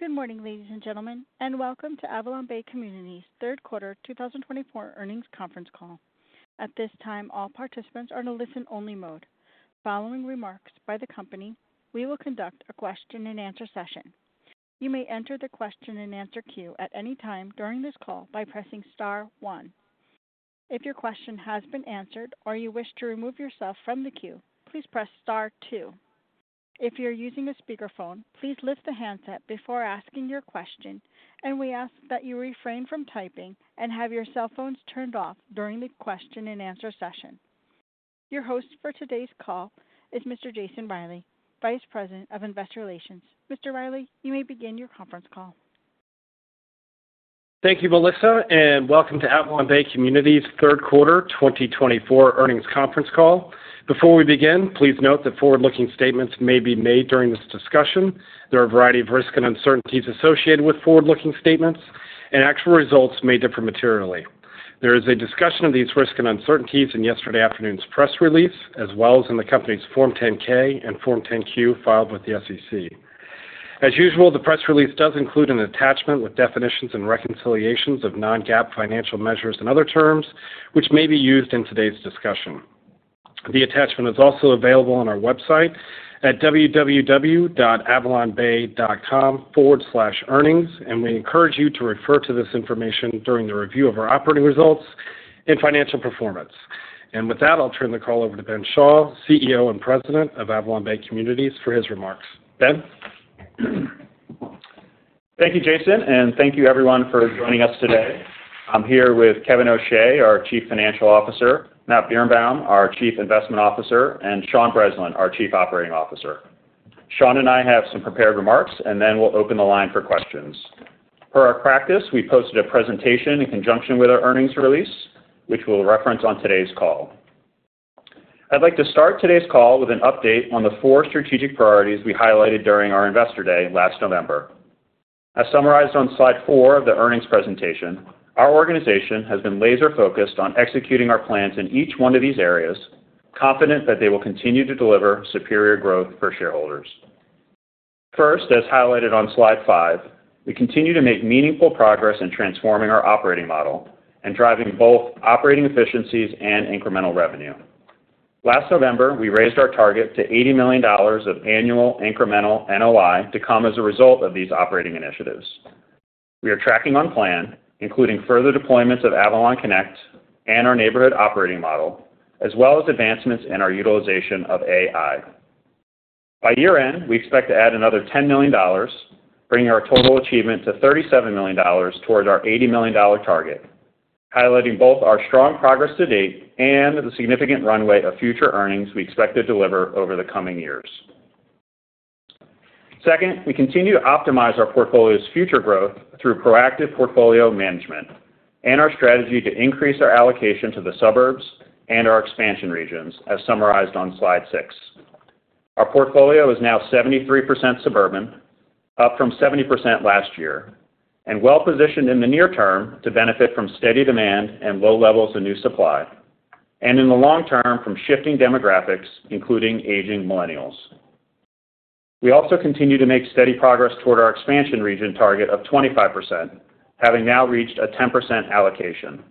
Good morning, ladies and gentlemen, and welcome to AvalonBay Communities' third quarter 2024 earnings conference call. At this time, all participants are in a listen-only mode. Following remarks by the company, we will conduct a question-and-answer session. You may enter the question-and-answer queue at any time during this call by pressing star one. If your question has been answered or you wish to remove yourself from the queue, please press star two. If you're using a speakerphone, please lift the handset before asking your question, and we ask that you refrain from typing and have your cell phones turned off during the question-and-answer session. Your host for today's call is Mr. Jason Reilley, Vice President of Investor Relations. Mr. Reilley, you may begin your conference call. Thank you, Melissa, and welcome to AvalonBay Communities' third quarter 2024 earnings conference call. Before we begin, please note that forward-looking statements may be made during this discussion. There are a variety of risks and uncertainties associated with forward-looking statements, and actual results may differ materially. There is a discussion of these risks and uncertainties in yesterday afternoon's press release, as well as in the company's Form 10-K and Form 10-Q filed with the SEC. As usual, the press release does include an attachment with definitions and reconciliations of non-GAAP financial measures and other terms, which may be used in today's discussion. The attachment is also available on our website at www.avalonbay.com/earnings, and we encourage you to refer to this information during the review of our operating results and financial performance. With that, I'll turn the call over to Ben Schall, CEO and President of AvalonBay Communities, for his remarks. Ben. Thank you, Jason, and thank you, everyone, for joining us today. I'm here with Kevin O'Shea, our Chief Financial Officer, Matt Birenbaum, our Chief Investment Officer, and Sean Breslin, our Chief Operating Officer. Sean and I have some prepared remarks, and then we'll open the line for questions. Per our practice, we posted a presentation in conjunction with our earnings release, which we'll reference on today's call. I'd like to start today's call with an update on the four strategic priorities we highlighted during our Investor Day last November. As summarized on slide four of the earnings presentation, our organization has been laser-focused on executing our plans in each one of these areas, confident that they will continue to deliver superior growth for shareholders. First, as highlighted on slide five, we continue to make meaningful progress in transforming our operating model and driving both operating efficiencies and incremental revenue. Last November, we raised our target to $80 million of annual incremental NOI to come as a result of these operating initiatives. We are tracking on plan, including further deployments of AvalonConnect and our Neighborhood Operating Model, as well as advancements in our utilization of AI. By year-end, we expect to add another $10 million, bringing our total achievement to $37 million towards our $80 million target, highlighting both our strong progress to date and the significant runway of future earnings we expect to deliver over the coming years. Second, we continue to optimize our portfolio's future growth through proactive portfolio management and our strategy to increase our allocation to the suburbs and our expansion regions, as summarized on slide six. Our portfolio is now 73% suburban, up from 70% last year, and well-positioned in the near term to benefit from steady demand and low levels of new supply, and in the long term from shifting demographics, including aging millennials. We also continue to make steady progress toward our expansion region target of 25%, having now reached a 10% allocation.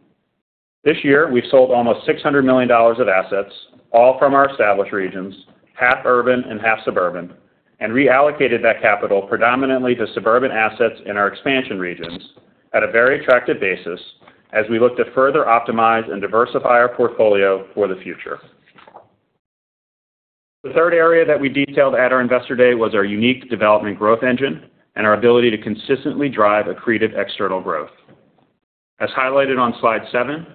This year, we've sold almost $600 million of assets, all from our established regions, half urban and half suburban, and reallocated that capital predominantly to suburban assets in our expansion regions at a very attractive basis as we look to further optimize and diversify our portfolio for the future. The third area that we detailed at our Investor Day was our unique development growth engine and our ability to consistently drive accretive external growth. As highlighted on slide seven,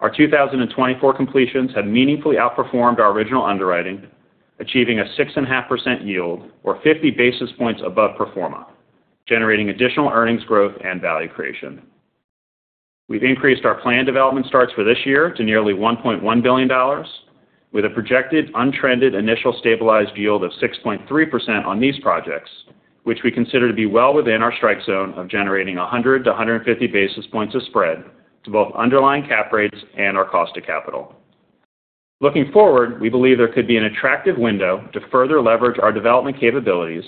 our 2024 completions have meaningfully outperformed our original underwriting, achieving a 6.5% yield or 50 basis points above pro forma, generating additional earnings growth and value creation. We've increased our planned development starts for this year to nearly $1.1 billion, with a projected untrended initial stabilized yield of 6.3% on these projects, which we consider to be well within our strike zone of generating 100 basis points-150 basis points of spread to both underlying cap rates and our cost of capital. Looking forward, we believe there could be an attractive window to further leverage our development capabilities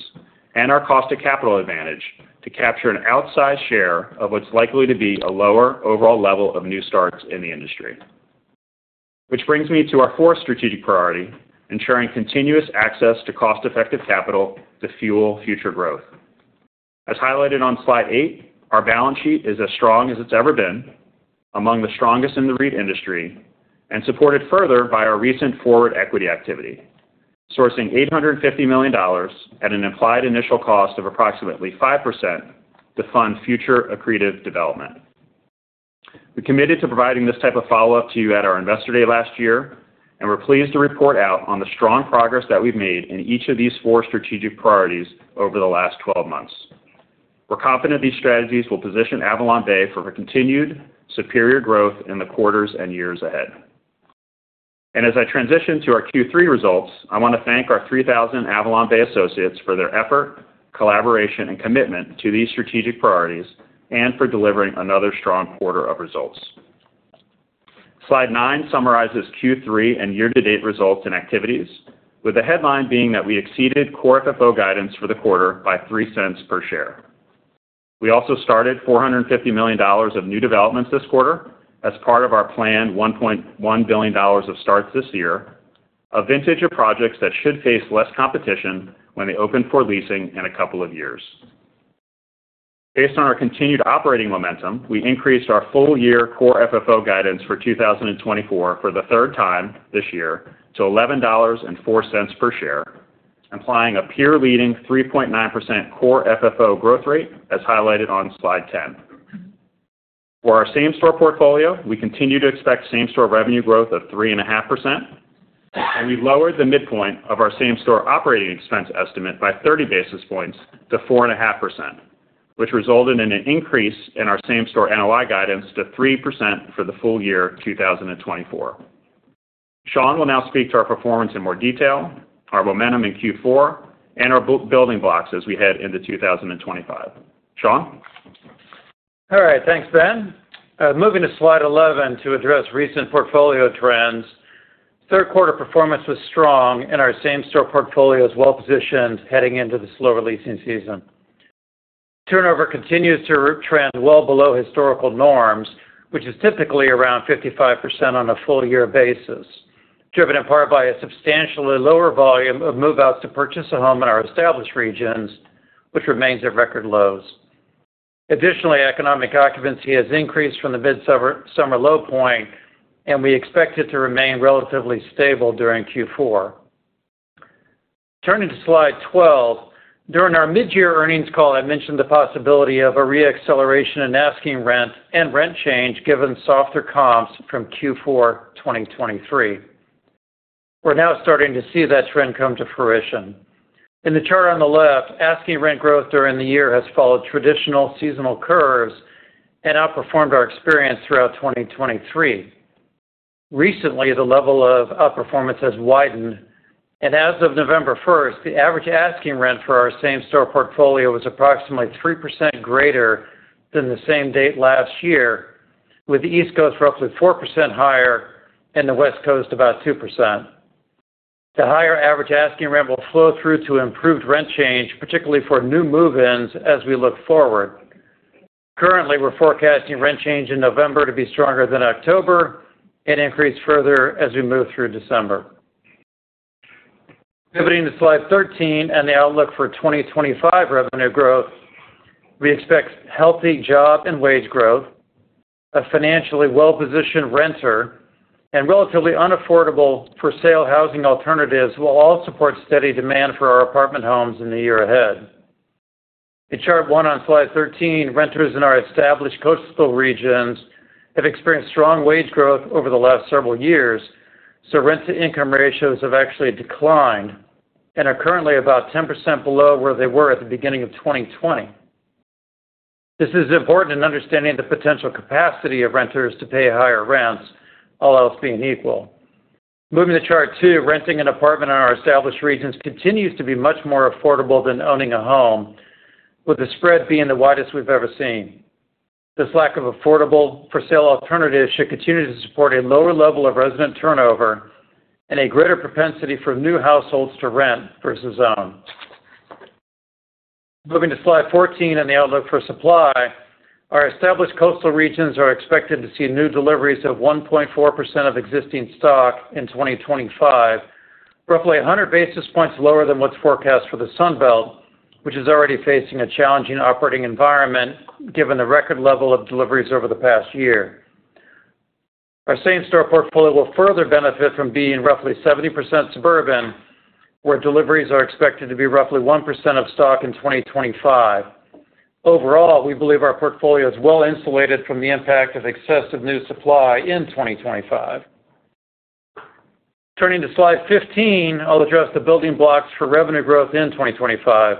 and our cost of capital advantage to capture an outsized share of what's likely to be a lower overall level of new starts in the industry. Which brings me to our fourth strategic priority: ensuring continuous access to cost-effective capital to fuel future growth. As highlighted on slide eight, our balance sheet is as strong as it's ever been, among the strongest in the REIT industry, and supported further by our recent forward equity activity, sourcing $850 million at an implied initial cost of approximately 5% to fund future accretive development. We committed to providing this type of follow-up to you at our Investor Day last year, and we're pleased to report out on the strong progress that we've made in each of these four strategic priorities over the last 12 months. We're confident these strategies will position AvalonBay for continued superior growth in the quarters and years ahead, and as I transition to our Q3 results, I want to thank our 3,000 AvalonBay associates for their effort, collaboration, and commitment to these strategic priorities and for delivering another strong quarter of results. Slide nine summarizes Q3 and year-to-date results and activities, with the headline being that we exceeded core FFO guidance for the quarter by $0.03 per share. We also started $450 million of new developments this quarter as part of our planned $1.1 billion of starts this year, a vintage of projects that should face less competition when they open for leasing in a couple of years. Based on our continued operating momentum, we increased our full-year core FFO guidance for 2024 for the third time this year to $11.04 per share, implying a peer-leading 3.9% core FFO growth rate, as highlighted on Slide 10. For our same-store portfolio, we continue to expect same-store revenue growth of 3.5%, and we've lowered the midpoint of our same-store operating expense estimate by 30 basis points to 4.5%, which resulted in an increase in our same-store NOI guidance to 3% for the full year 2024. Sean will now speak to our performance in more detail, our momentum in Q4, and our building blocks as we head into 2025. Sean? All right. Thanks, Ben. Moving to slide 11 to address recent portfolio trends, third quarter performance was strong, and our same-store portfolio is well-positioned heading into the slower leasing season. Turnover continues to trend well below historical norms, which is typically around 55% on a full-year basis, driven in part by a substantially lower volume of move-outs to purchase a home in our established regions, which remains at record lows. Additionally, economic occupancy has increased from the mid-summer low point, and we expect it to remain relatively stable during Q4. Turning to slide 12, during our mid-year earnings call, I mentioned the possibility of a re-acceleration in asking rent and rent change given softer comps from Q4 2023. We're now starting to see that trend come to fruition. In the chart on the left, asking rent growth during the year has followed traditional seasonal curves and outperformed our experience throughout 2023. Recently, the level of outperformance has widened, and as of November 1st, the average asking rent for our same-store portfolio was approximately 3% greater than the same date last year, with the East Coast roughly 4% higher and the West Coast about 2%. The higher average asking rent will flow through to improved rent change, particularly for new move-ins as we look forward. Currently, we're forecasting rent change in November to be stronger than October and increase further as we move through December. Pivoting to slide 13 and the outlook for 2025 revenue growth, we expect healthy job and wage growth, a financially well-positioned renter, and relatively unaffordable-for-sale housing alternatives will all support steady demand for our apartment homes in the year ahead. In chart one on slide 13, renters in our established coastal regions have experienced strong wage growth over the last several years, so rent-to-income ratios have actually declined and are currently about 10% below where they were at the beginning of 2020. This is important in understanding the potential capacity of renters to pay higher rents, all else being equal. Moving to chart two, renting an apartment in our established regions continues to be much more affordable than owning a home, with the spread being the widest we've ever seen. This lack of affordable-for-sale alternatives should continue to support a lower level of resident turnover and a greater propensity for new households to rent versus own. Moving to slide 14 and the outlook for supply, our established coastal regions are expected to see new deliveries of 1.4% of existing stock in 2025, roughly 100 basis points lower than what's forecast for the Sunbelt, which is already facing a challenging operating environment given the record level of deliveries over the past year. Our same-store portfolio will further benefit from being roughly 70% suburban, where deliveries are expected to be roughly 1% of stock in 2025. Overall, we believe our portfolio is well-insulated from the impact of excessive new supply in 2025. Turning to slide 15, I'll address the building blocks for revenue growth in 2025.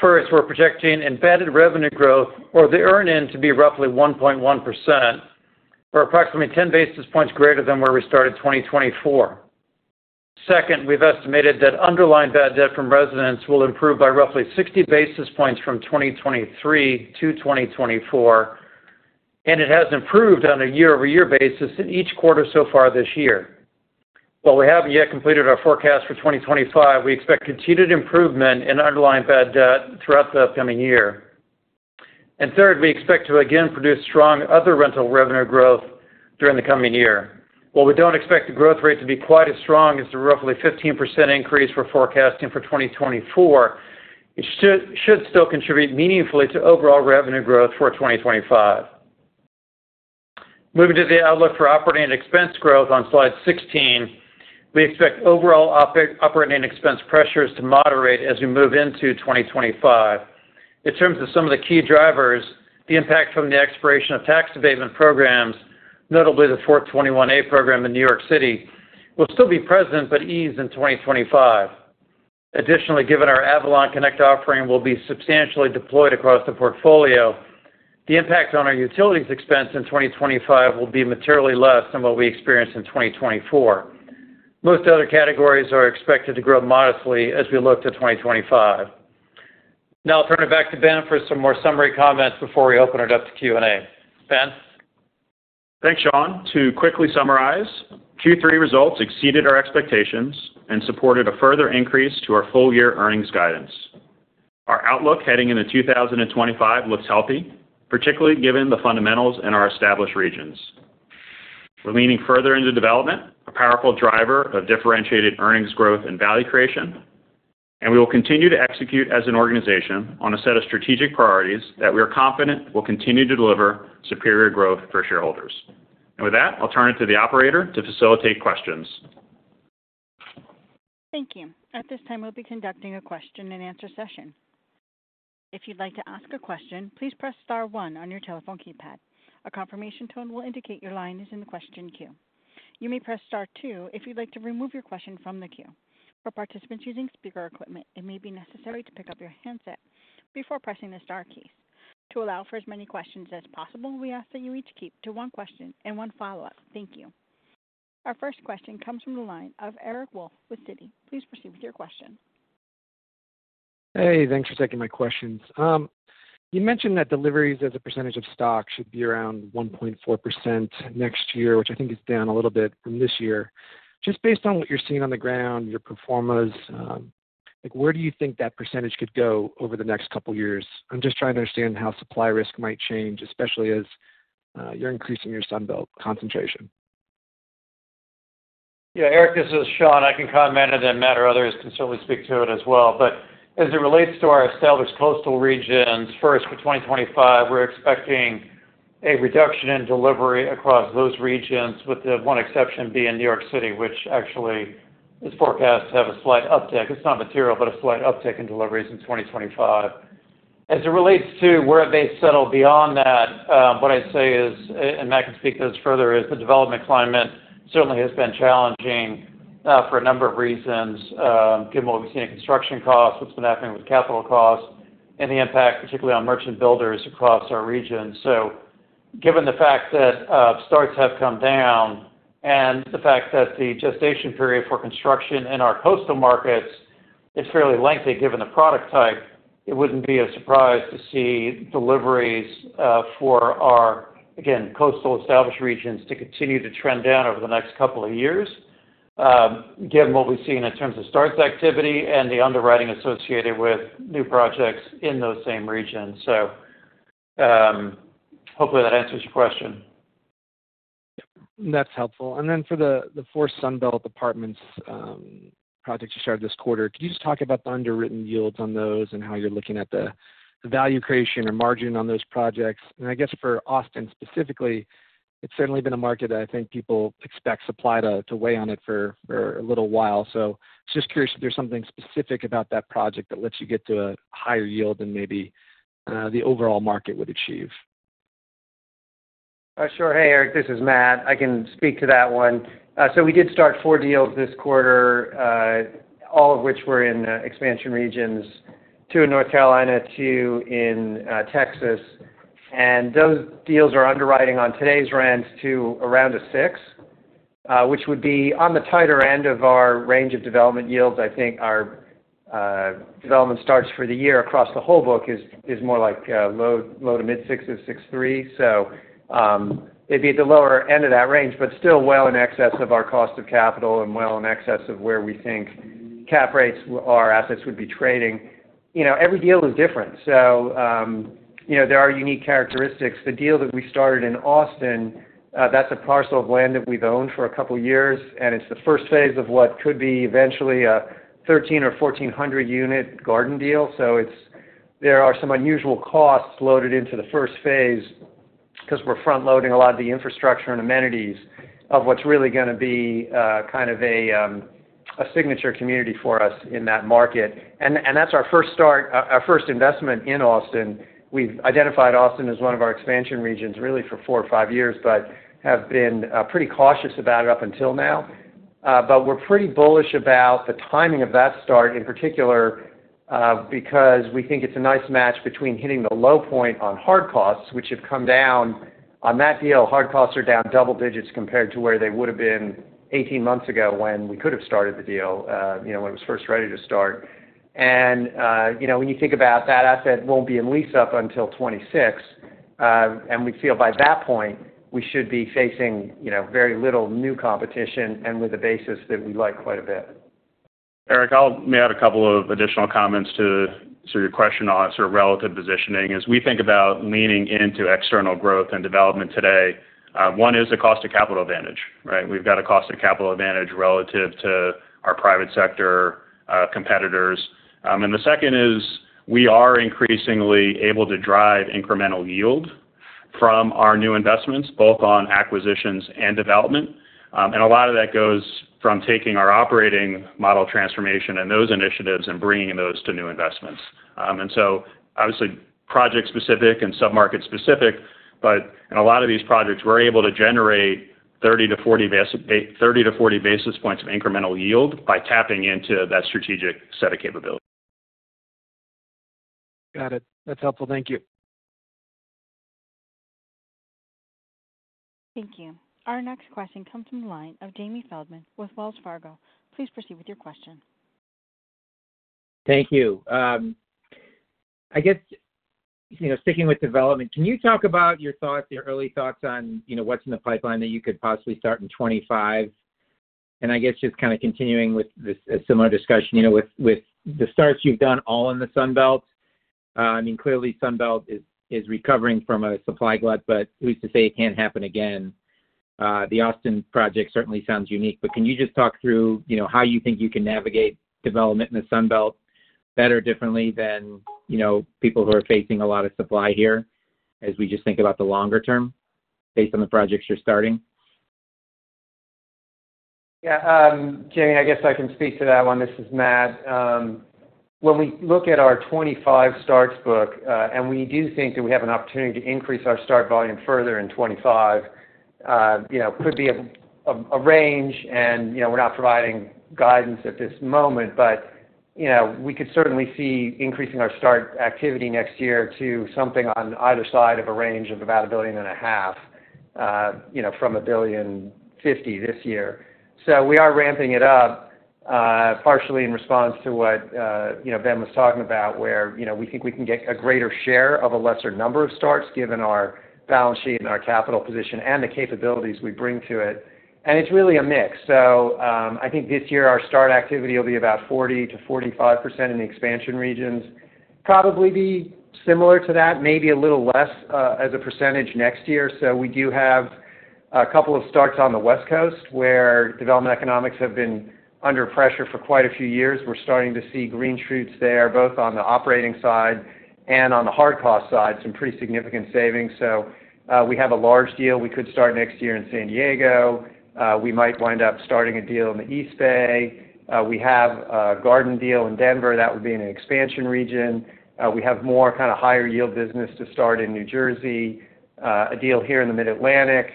First, we're projecting embedded revenue growth or the earn-in to be roughly 1.1%, or approximately 10 basis points greater than where we started 2024. Second, we've estimated that underlying bad debt from residents will improve by roughly 60 basis points from 2023 to 2024, and it has improved on a year-over-year basis in each quarter so far this year. While we haven't yet completed our forecast for 2025, we expect continued improvement in underlying bad debt throughout the upcoming year. And third, we expect to again produce strong other rental revenue growth during the coming year. While we don't expect the growth rate to be quite as strong as the roughly 15% increase we're forecasting for 2024, it should still contribute meaningfully to overall revenue growth for 2025. Moving to the outlook for operating expense growth on slide 16, we expect overall operating expense pressures to moderate as we move into 2025. In terms of some of the key drivers, the impact from the expiration of tax abatement programs, notably the 421-a program in New York City, will still be present but ease in 2025. Additionally, given our AvalonConnect offering will be substantially deployed across the portfolio, the impact on our utilities expense in 2025 will be materially less than what we experienced in 2024. Most other categories are expected to grow modestly as we look to 2025. Now I'll turn it back to Ben for some more summary comments before we open it up to Q&A. Ben? Thanks, Sean. To quickly summarize, Q3 results exceeded our expectations and supported a further increase to our full-year earnings guidance. Our outlook heading into 2025 looks healthy, particularly given the fundamentals in our established regions. We're leaning further into development, a powerful driver of differentiated earnings growth and value creation, and we will continue to execute as an organization on a set of strategic priorities that we are confident will continue to deliver superior growth for shareholders. And with that, I'll turn it to the operator to facilitate questions. Thank you. At this time, we'll be conducting a question-and-answer session. If you'd like to ask a question, please press star one on your telephone keypad. A confirmation tone will indicate your line is in the question queue. You may press star two if you'd like to remove your question from the queue. For participants using speaker equipment, it may be necessary to pick up your handset before pressing the star keys. To allow for as many questions as possible, we ask that you each keep to one question and one follow-up. Thank you. Our first question comes from the line of Eric Wolfe with Citi. Please proceed with your question. Hey, thanks for taking my questions. You mentioned that deliveries as a percentage of stock should be around 1.4% next year, which I think is down a little bit from this year. Just based on what you're seeing on the ground, your performance, where do you think that percentage could go over the next couple of years? I'm just trying to understand how supply risk might change, especially as you're increasing your Sunbelt concentration. Yeah, Eric, this is Sean. I can comment on that matter. Others can certainly speak to it as well. But as it relates to our established coastal regions, first, for 2025, we're expecting a reduction in delivery across those regions, with the one exception being New York City, which actually is forecast to have a slight uptick. It's not material, but a slight uptick in deliveries in 2025. As it relates to where it may settle beyond that, what I'd say is, and Matt can speak to this further, is the development climate certainly has been challenging for a number of reasons, given what we've seen in construction costs, what's been happening with capital costs, and the impact, particularly on merchant builders across our region. So given the fact that starts have come down and the fact that the gestation period for construction in our coastal markets is fairly lengthy given the product type, it wouldn't be a surprise to see deliveries for our, again, coastal established regions to continue to trend down over the next couple of years, given what we've seen in terms of starts activity and the underwriting associated with new projects in those same regions. So hopefully that answers your question. Yep. That's helpful. And then for the four Sunbelt apartments projects you shared this quarter, could you just talk about the underwritten yields on those and how you're looking at the value creation or margin on those projects? And I guess for Austin specifically, it's certainly been a market that I think people expect supply to weigh on it for a little while. So I'm just curious if there's something specific about that project that lets you get to a higher yield than maybe the overall market would achieve? Sure. Hey, Eric, this is Matt. I can speak to that one. So we did start four deals this quarter, all of which were in expansion regions, two in North Carolina, two in Texas. And those deals are underwriting on today's rents to around a six, which would be on the tighter end of our range of development yields. I think our development starts for the year across the whole book is more like low to mid-sixes, six-threes. So it'd be at the lower end of that range, but still well in excess of our cost of capital and well in excess of where we think cap rates or assets would be trading. Every deal is different. So there are unique characteristics. The deal that we started in Austin, that's a parcel of land that we've owned for a couple of years, and it's the first phase of what could be eventually a 1,300- or 1,400-unit garden deal. So there are some unusual costs loaded into the first phase because we're front-loading a lot of the infrastructure and amenities of what's really going to be kind of a signature community for us in that market. And that's our first start, our first investment in Austin. We've identified Austin as one of our expansion regions really for four or five years, but have been pretty cautious about it up until now. But we're pretty bullish about the timing of that start in particular because we think it's a nice match between hitting the low point on hard costs, which have come down on that deal. Hard costs are down double digits compared to where they would have been 18 months ago when we could have started the deal, when it was first ready to start, and when you think about that, asset won't be in lease up until 2026, and we feel by that point we should be facing very little new competition and with a basis that we like quite a bit. Eric, I'll add a couple of additional comments to your question on sort of relative positioning. As we think about leaning into external growth and development today, one is the cost of capital advantage, right? We've got a cost of capital advantage relative to our private sector competitors. And the second is we are increasingly able to drive incremental yield from our new investments, both on acquisitions and development. And a lot of that goes from taking our operating model transformation and those initiatives and bringing those to new investments. And so obviously project-specific and submarket-specific, but in a lot of these projects, we're able to generate 30 basis points-40 basis points of incremental yield by tapping into that strategic set of capabilities. Got it. That's helpful. Thank you. Thank you. Our next question comes from the line of Jamie Feldman with Wells Fargo. Please proceed with your question. Thank you. I guess speaking with development, can you talk about your thoughts, your early thoughts on what's in the pipeline that you could possibly start in 2025, and I guess just kind of continuing with a similar discussion, with the starts you've done all in the Sunbelt, I mean, clearly Sunbelt is recovering from a supply glut, but who's to say it can't happen again? The Austin project certainly sounds unique, but can you just talk through how you think you can navigate development in the Sunbelt better, differently than people who are facing a lot of supply here as we just think about the longer term based on the projects you're starting? Yeah. Jamie, I guess I can speak to that one. This is Matt. When we look at our 2025 starts book, and we do think that we have an opportunity to increase our start volume further in 2025, could be a range, and we're not providing guidance at this moment, but we could certainly see increasing our start activity next year to something on either side of a range of about $1.5 billion from $1.05 billion this year. So we are ramping it up partially in response to what Ben was talking about, where we think we can get a greater share of a lesser number of starts given our balance sheet and our capital position and the capabilities we bring to it. It's really a mix. I think this year our start activity will be about 40%-45% in the expansion regions. Probably be similar to that, maybe a little less as a percentage next year. So we do have a couple of starts on the West Coast where development economics have been under pressure for quite a few years. We're starting to see green shoots there, both on the operating side and on the hard cost side, some pretty significant savings. So we have a large deal we could start next year in San Diego. We might wind up starting a deal in the East Bay. We have a garden deal in Denver that would be in an expansion region. We have more kind of higher yield business to start in New Jersey, a deal here in the Mid-Atlantic,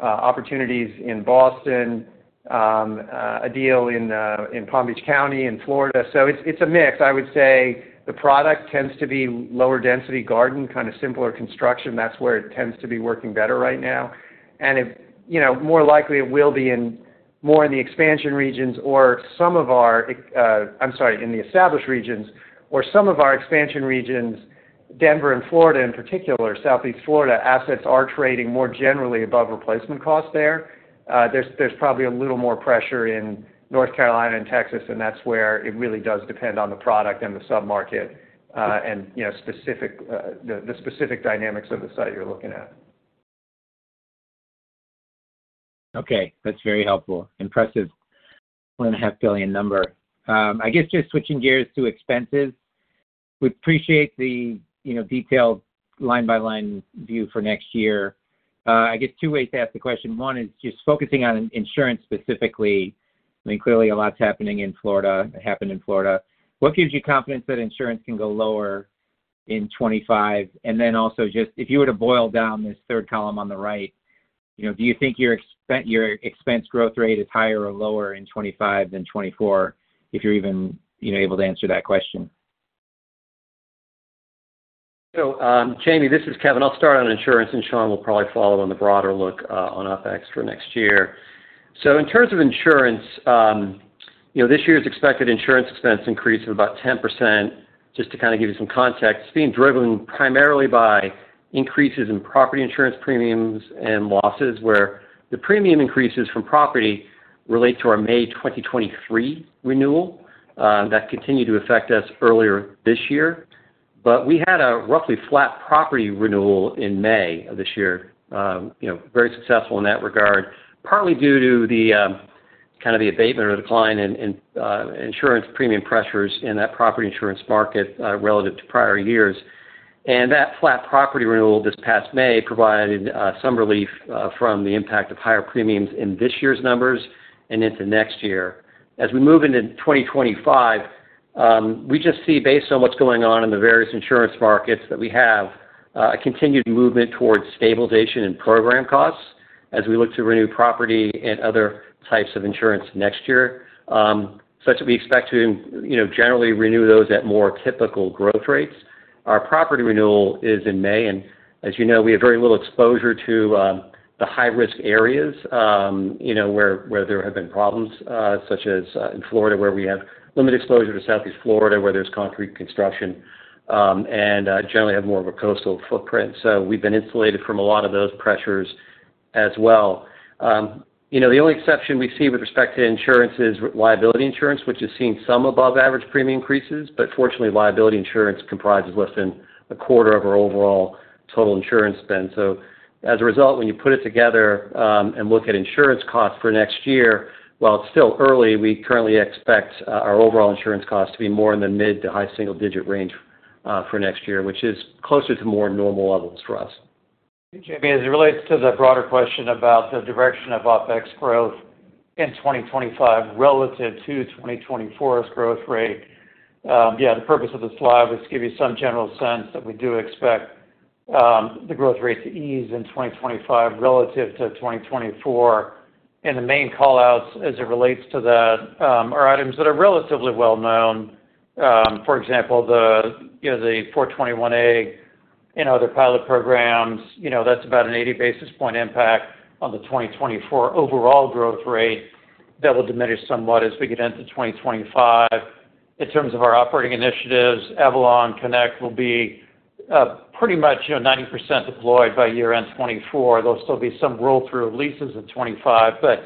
opportunities in Boston, a deal in Palm Beach County in Florida. It's a mix. I would say the product tends to be lower density garden, kind of simpler construction. That's where it tends to be working better right now. And more likely it will be more in the expansion regions or some of our. I'm sorry, in the established regions or some of our expansion regions, Denver and Florida in particular, Southeast Florida, assets are trading more generally above replacement cost there. There's probably a little more pressure in North Carolina and Texas, and that's where it really does depend on the product and the submarket and the specific dynamics of the site you're looking at. Okay. That's very helpful. Impressive. $1.5 billion number. I guess just switching gears to expenses, we appreciate the detailed line-by-line view for next year. I guess two ways to ask the question. One is just focusing on insurance specifically. I mean, clearly a lot's happening in Florida. It happened in Florida. What gives you confidence that insurance can go lower in 2025? And then also just if you were to boil down this third column on the right, do you think your expense growth rate is higher or lower in 2025 than 2024, if you're even able to answer that question? So Jamie, this is Kevin. I'll start on insurance, and Sean will probably follow on the broader look on OpEx for next year. So in terms of insurance, this year's expected insurance expense increase of about 10%, just to kind of give you some context, is being driven primarily by increases in property insurance premiums and losses, where the premium increases from property relate to our May 2023 renewal that continued to affect us earlier this year. But we had a roughly flat property renewal in May of this year, very successful in that regard, partly due to the kind of abatement or decline in insurance premium pressures in that property insurance market relative to prior years. And that flat property renewal this past May provided some relief from the impact of higher premiums in this year's numbers and into next year. As we move into 2025, we just see, based on what's going on in the various insurance markets that we have, a continued movement towards stabilization in program costs as we look to renew property and other types of insurance next year, such that we expect to generally renew those at more typical growth rates. Our property renewal is in May, and as you know, we have very little exposure to the high-risk areas where there have been problems, such as in Florida, where we have limited exposure to Southeast Florida, where there's concrete construction, and generally have more of a coastal footprint, so we've been insulated from a lot of those pressures as well. The only exception we see with respect to insurance is liability insurance, which has seen some above-average premium increases, but fortunately, liability insurance comprises less than a quarter of our overall total insurance spend. As a result, when you put it together and look at insurance costs for next year, while it's still early, we currently expect our overall insurance costs to be more in the mid- to high-single-digit range for next year, which is closer to more normal levels for us. Jamie, as it relates to the broader question about the direction of OpEx growth in 2025 relative to 2024's growth rate, yeah, the purpose of this slide was to give you some general sense that we do expect the growth rate to ease in 2025 relative to 2024. The main callouts as it relates to that are items that are relatively well-known. For example, the 421-a and other pilot programs, that's about an 80 basis point impact on the 2024 overall growth rate that will diminish somewhat as we get into 2025. In terms of our operating initiatives, AvalonConnect will be pretty much 90% deployed by year-end 2024. There'll still be some roll-through of leases in 2025, but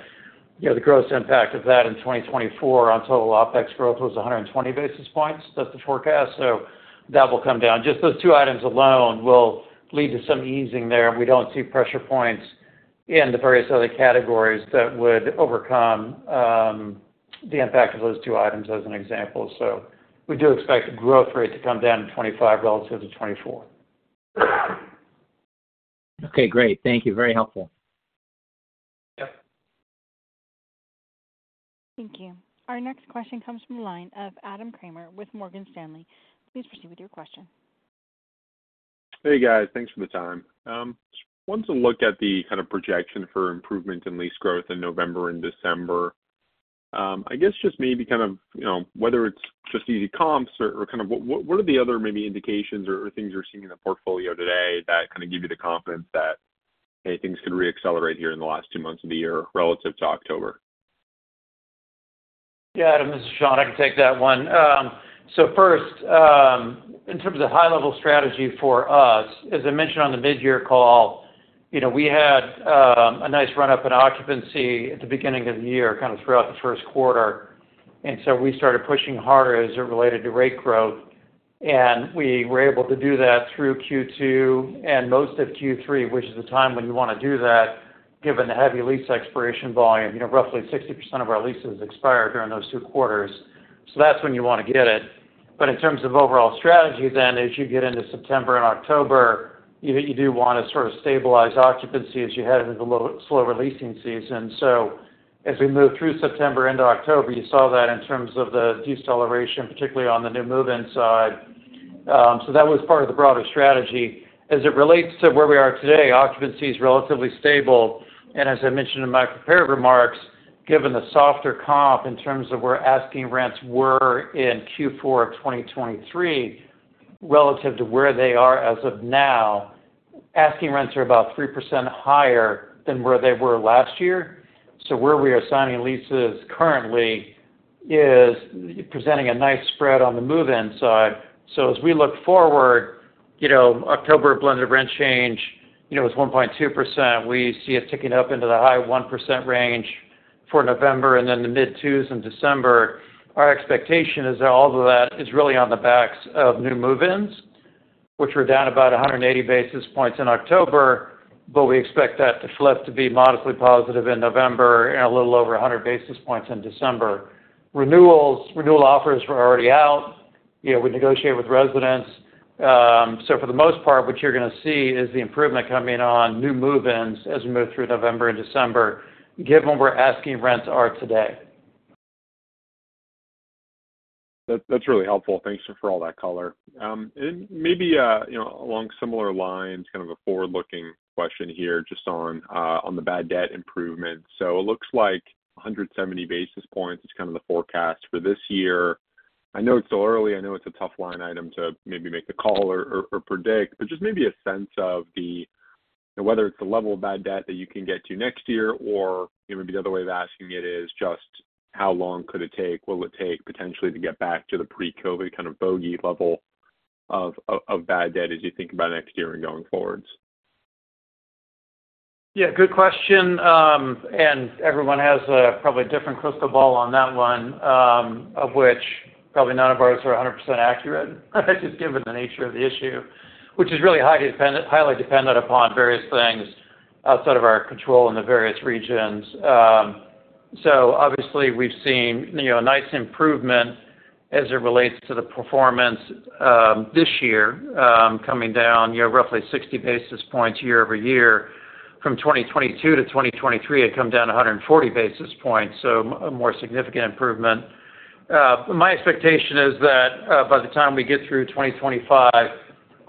the gross impact of that in 2024 on total OpEx growth was 120 basis points. That's the forecast. So that will come down. Just those two items alone will lead to some easing there, and we don't see pressure points in the various other categories that would overcome the impact of those two items as an example. So we do expect the growth rate to come down in 2025 relative to 2024. Okay. Great. Thank you. Very helpful. Yep. Thank you. Our next question comes from the line of Adam Kramer with Morgan Stanley. Please proceed with your question. Hey, guys. Thanks for the time. I wanted to look at the kind of projection for improvement in lease growth in November and December. I guess just maybe kind of whether it's just easy comps or kind of what are the other maybe indications or things you're seeing in the portfolio today that kind of give you the confidence that things could re-accelerate here in the last two months of the year relative to October? Yeah, Adam. This is Sean. I can take that one. So first, in terms of the high-level strategy for us, as I mentioned on the mid-year call, we had a nice run-up in occupancy at the beginning of the year, kind of throughout the first quarter. And so we started pushing harder as it related to rate growth, and we were able to do that through Q2 and most of Q3, which is the time when you want to do that, given the heavy lease expiration volume. Roughly 60% of our leases expire during those two quarters. So that's when you want to get it. But in terms of overall strategy then, as you get into September and October, you do want to sort of stabilize occupancy as you head into the slower leasing season. So as we move through September into October, you saw that in terms of the deceleration, particularly on the new move-in side, so that was part of the broader strategy. As it relates to where we are today, occupancy is relatively stable, and as I mentioned in my prepared remarks, given the softer comp in terms of where asking rents were in Q4 of 2023 relative to where they are as of now, asking rents are about 3% higher than where they were last year, so where we are signing leases currently is presenting a nice spread on the move-in side, so as we look forward, October blended rent change was 1.2%. We see it ticking up into the high 1% range for November and then the mid-2% in December. Our expectation is that all of that is really on the backs of new move-ins, which were down about 180 basis points in October, but we expect that to flip to be modestly positive in November and a little over 100 basis points in December. Renewal offers were already out. We negotiated with residents. So for the most part, what you're going to see is the improvement coming on new move-ins as we move through November and December, given where asking rents are today. That's really helpful. Thanks for all that color. And maybe along similar lines, kind of a forward-looking question here just on the bad debt improvement. So it looks like 170 basis points is kind of the forecast for this year. I know it's still early. I know it's a tough line item to maybe make the call or predict, but just maybe a sense of whether it's the level of bad debt that you can get to next year or maybe the other way of asking it is just how long could it take, will it take potentially to get back to the pre-COVID kind of bogey level of bad debt as you think about next year and going forwards? Yeah. Good question, and everyone has probably a different crystal ball on that one, of which probably none of ours are 100% accurate, just given the nature of the issue, which is really highly dependent upon various things outside of our control in the various regions. So obviously, we've seen a nice improvement as it relates to the performance this year, coming down roughly 60 basis points year over year. From 2022 to 2023, it had come down 140 basis points, so a more significant improvement. My expectation is that by the time we get through 2025,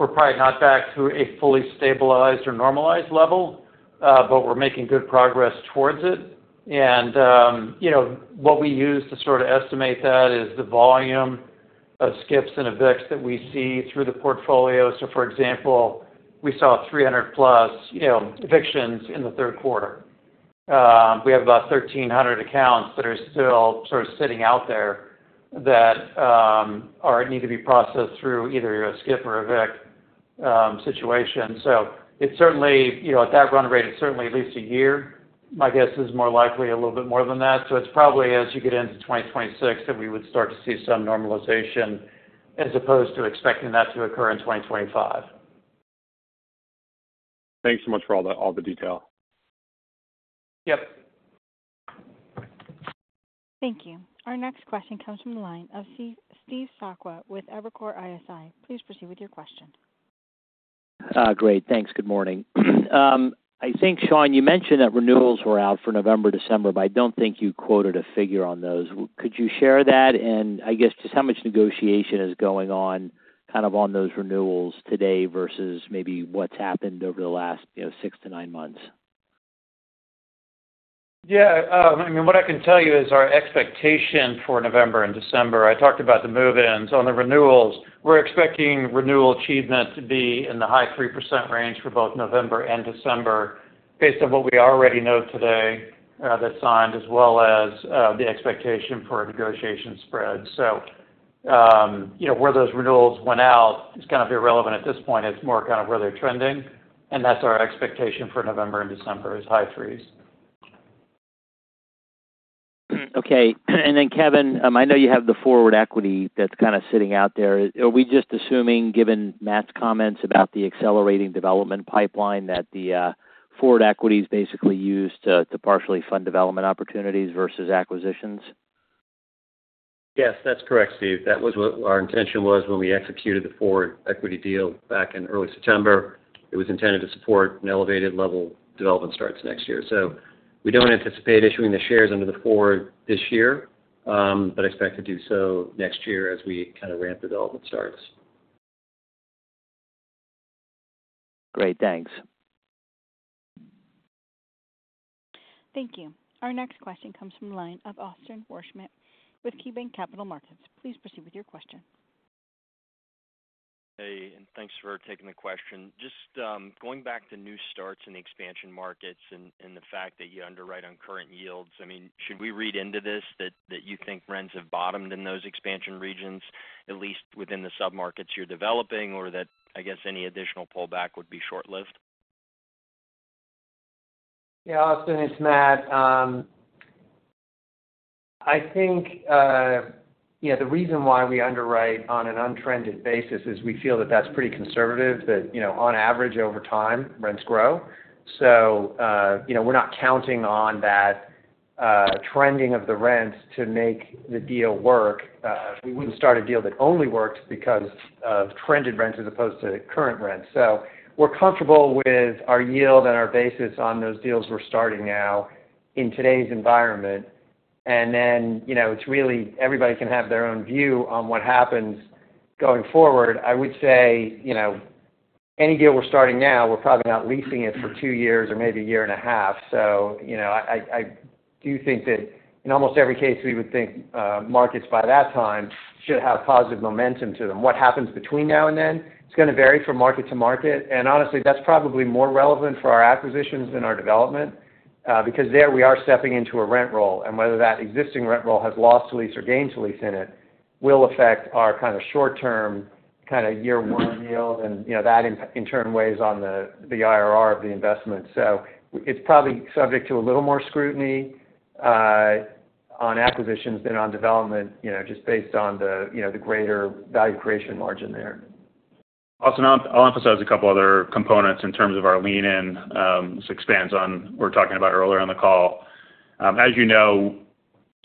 we're probably not back to a fully stabilized or normalized level, but we're making good progress towards it. What we use to sort of estimate that is the volume of skips and evicts that we see through the portfolio. So for example, we saw 300+ evictions in the third quarter. We have about 1,300 accounts that are still sort of sitting out there that need to be processed through either a skip or evict situation. So at that run rate, it's certainly at least a year. My guess is more likely a little bit more than that. So it's probably as you get into 2026 that we would start to see some normalization as opposed to expecting that to occur in 2025. Thanks so much for all the detail. Yep. Thank you. Our next question comes from the line of Steve Sakwa with Evercore ISI. Please proceed with your question. Great. Thanks. Good morning. I think, Sean, you mentioned that renewals were out for November, December, but I don't think you quoted a figure on those. Could you share that? And I guess just how much negotiation is going on kind of on those renewals today versus maybe what's happened over the last six to nine months? Yeah. I mean, what I can tell you is our expectation for November and December. I talked about the move-ins on the renewals. We're expecting renewal achievement to be in the high 3% range for both November and December based on what we already know today that's signed, as well as the expectation for negotiation spreads. So where those renewals went out is kind of irrelevant at this point. It's more kind of where they're trending, and that's our expectation for November and December is high 3%. Okay. And then, Kevin, I know you have the forward equity that's kind of sitting out there. Are we just assuming, given Matt's comments about the accelerating development pipeline, that the forward equity is basically used to partially fund development opportunities versus acquisitions? Yes, that's correct, Steve. That was what our intention was when we executed the forward equity deal back in early September. It was intended to support an elevated level of development starts next year. So we don't anticipate issuing the shares under the forward this year, but expect to do so next year as we kind of ramp development starts. Great. Thanks. Thank you. Our next question comes from the line of Austin Wurschmidt with KeyBank Capital Markets. Please proceed with your question. Hey, and thanks for taking the question. Just going back to new starts in the expansion markets and the fact that you underwrite on current yields, I mean, should we read into this that you think rents have bottomed in those expansion regions, at least within the submarkets you're developing, or that, I guess, any additional pullback would be short-lived? Yeah, Austin, it's Matt. I think the reason why we underwrite on an untrended basis is we feel that that's pretty conservative, that on average, over time, rents grow. So we're not counting on that trending of the rents to make the deal work. We wouldn't start a deal that only worked because of trended rents as opposed to current rents. So we're comfortable with our yield and our basis on those deals we're starting now in today's environment. And then it's really everybody can have their own view on what happens going forward. I would say any deal we're starting now, we're probably not leasing it for two years or maybe a year and a half. So I do think that in almost every case, we would think markets by that time should have positive momentum to them. What happens between now and then is going to vary from market to market. And honestly, that's probably more relevant for our acquisitions than our development because there we are stepping into a rent roll. And whether that existing rent roll has loss-to-lease or gain-to-lease in it will affect our kind of short-term kind of year-one yield. And that, in turn, weighs on the IRR of the investment. So it's probably subject to a little more scrutiny on acquisitions than on development, just based on the greater value creation margin there. Austin, I'll emphasize a couple of other components in terms of our lean-in, which expands on what we were talking about earlier on the call. As you know,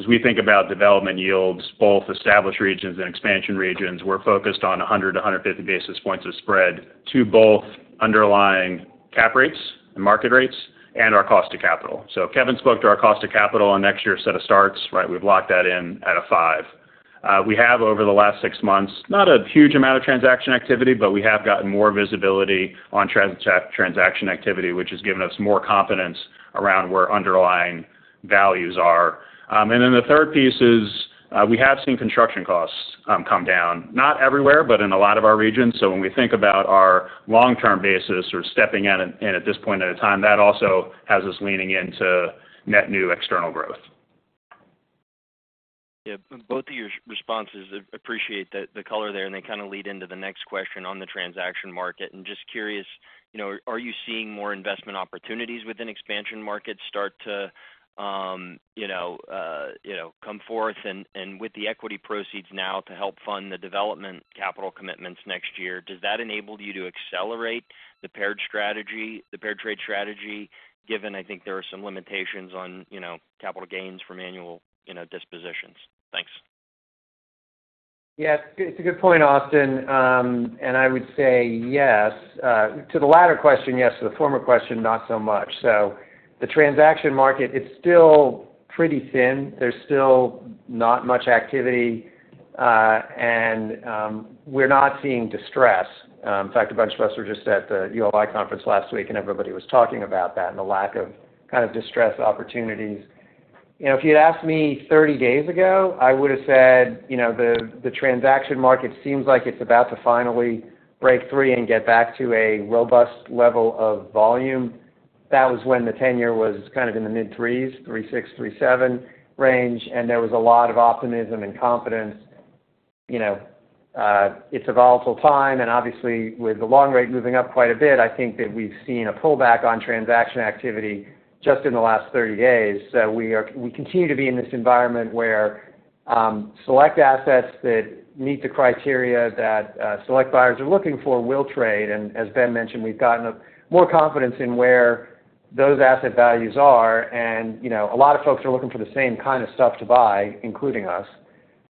as we think about development yields, both established regions and expansion regions, we're focused on 100 basis points-150 basis points of spread to both underlying cap rates and market rates and our cost of capital. So Kevin spoke to our cost of capital on next year's set of starts, right? We've locked that in at a five. We have, over the last six months, not a huge amount of transaction activity, but we have gotten more visibility on transaction activity, which has given us more confidence around where underlying values are. And then the third piece is we have seen construction costs come down, not everywhere, but in a lot of our regions. When we think about our long-term basis or stepping in at this point in time, that also has us leaning into net new external growth. Yeah. Both of your responses appreciate the color there, and they kind of lead into the next question on the transaction market. And just curious, are you seeing more investment opportunities within expansion markets start to come forth? And with the equity proceeds now to help fund the development capital commitments next year, does that enable you to accelerate the paired trade strategy, given I think there are some limitations on capital gains from annual dispositions? Thanks. Yeah. It's a good point, Austin. And I would say yes to the latter question, yes. To the former question, not so much, so the transaction market, it's still pretty thin. There's still not much activity, and we're not seeing distress. In fact, a bunch of us were just at the ULI conference last week, and everybody was talking about that and the lack of kind of distress opportunities. If you'd asked me 30 days ago, I would have said the transaction market seems like it's about to finally break through and get back to a robust level of volume. That was when the 10-year was kind of in the mid-threes, 3.6, 3.7 range, and there was a lot of optimism and confidence. It's a volatile time. Obviously, with the long rate moving up quite a bit, I think that we've seen a pullback on transaction activity just in the last 30 days. So we continue to be in this environment where select assets that meet the criteria that select buyers are looking for will trade. And as Ben mentioned, we've gotten more confidence in where those asset values are. And a lot of folks are looking for the same kind of stuff to buy, including us.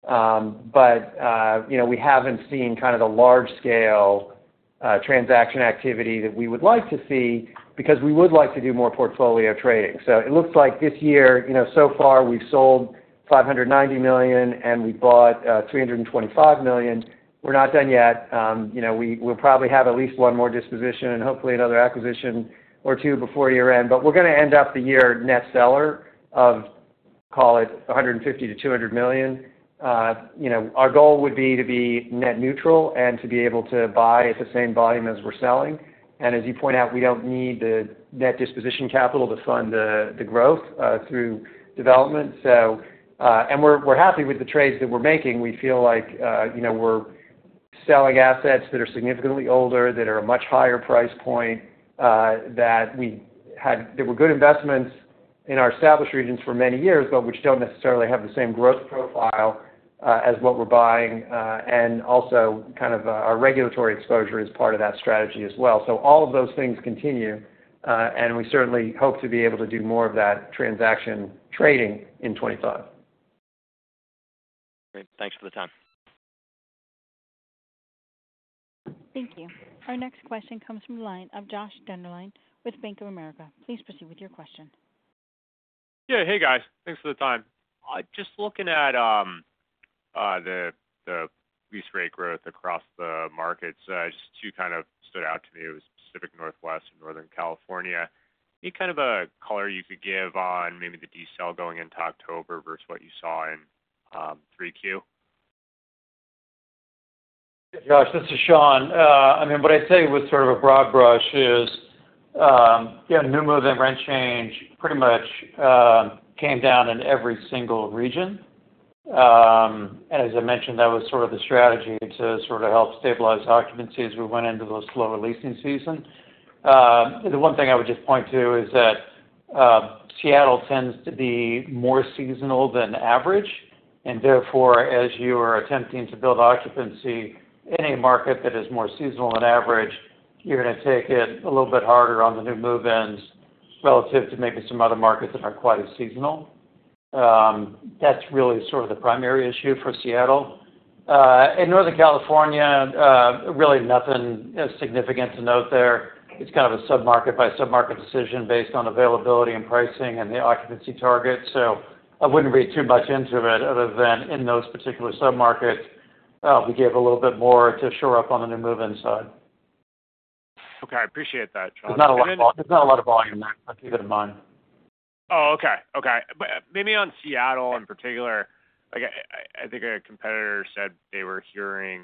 But we haven't seen kind of the large-scale transaction activity that we would like to see because we would like to do more portfolio trading. So it looks like this year, so far, we've sold $590 million, and we've bought $325 million. We're not done yet. We'll probably have at least one more disposition and hopefully another acquisition or two before year-end. We're going to end up the year net seller of, call it, $150 million-$200 million. Our goal would be to be net neutral and to be able to buy at the same volume as we're selling. As you point out, we don't need the net disposition capital to fund the growth through development. We're happy with the trades that we're making. We feel like we're selling assets that are significantly older, that are a much higher price point, that were good investments in our established regions for many years, but which don't necessarily have the same growth profile as what we're buying. Also, kind of our regulatory exposure is part of that strategy as well. All of those things continue. We certainly hope to be able to do more of that transaction trading in 2025. Great. Thanks for the time. Thank you. Our next question comes from the line of Josh Dennerlein with Bank of America. Please proceed with your question. Yeah. Hey, guys. Thanks for the time. Just looking at the lease rate growth across the markets, just two kind of stood out to me. It was Pacific Northwest and Northern California. Any kind of a color you could give on maybe the decel going into October versus what you saw in 3Q? Yeah, Josh, this is Sean. I mean, what I say with sort of a broad brush is, yeah, new movement, rent change pretty much came down in every single region. And as I mentioned, that was sort of the strategy to sort of help stabilize occupancy as we went into the slower leasing season. The one thing I would just point to is that Seattle tends to be more seasonal than average. And therefore, as you are attempting to build occupancy in a market that is more seasonal than average, you're going to take it a little bit harder on the new move-ins relative to maybe some other markets that aren't quite as seasonal. That's really sort of the primary issue for Seattle. In Northern California, really nothing significant to note there. It's kind of a submarket-by-submarket decision based on availability and pricing and the occupancy target. So I wouldn't read too much into it other than in those particular submarkets, we gave a little bit more to shore up on the new move-in side. Okay. I appreciate that, Sean. There's not a lot of volume there. Keep that in mind. Oh, okay. Okay. Maybe on Seattle in particular, I think a competitor said they were hearing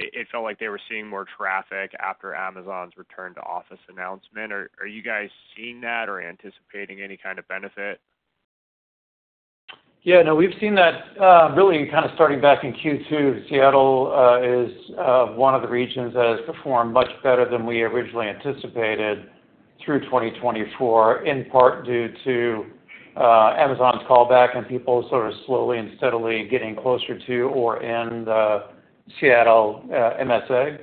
it felt like they were seeing more traffic after Amazon's return-to-office announcement. Are you guys seeing that or anticipating any kind of benefit? Yeah. No, we've seen that really kind of starting back in Q2. Seattle is one of the regions that has performed much better than we originally anticipated through 2024, in part due to Amazon's callback and people sort of slowly and steadily getting closer to or in the Seattle MSA.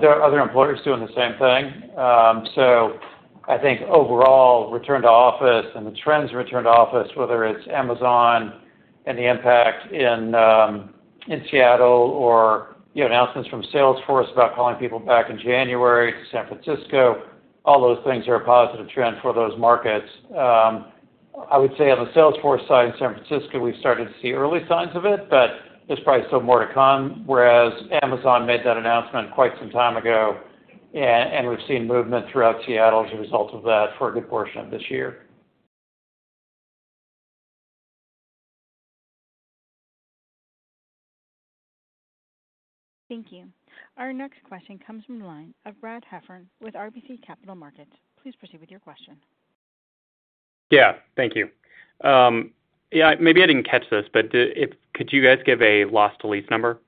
There are other employers doing the same thing. So I think overall return-to-office and the trends in return-to-office, whether it's Amazon and the impact in Seattle or announcements from Salesforce about calling people back in January to San Francisco, all those things are a positive trend for those markets. I would say on the Salesforce side in San Francisco, we've started to see early signs of it, but there's probably still more to come, whereas Amazon made that announcement quite some time ago. We've seen movement throughout Seattle as a result of that for a good portion of this year. Thank you. Our next question comes from the line of Brad Heffern with RBC Capital Markets. Please proceed with your question. Yeah. Thank you. Yeah. Maybe I didn't catch this, but could you guys give a loss-to-lease number?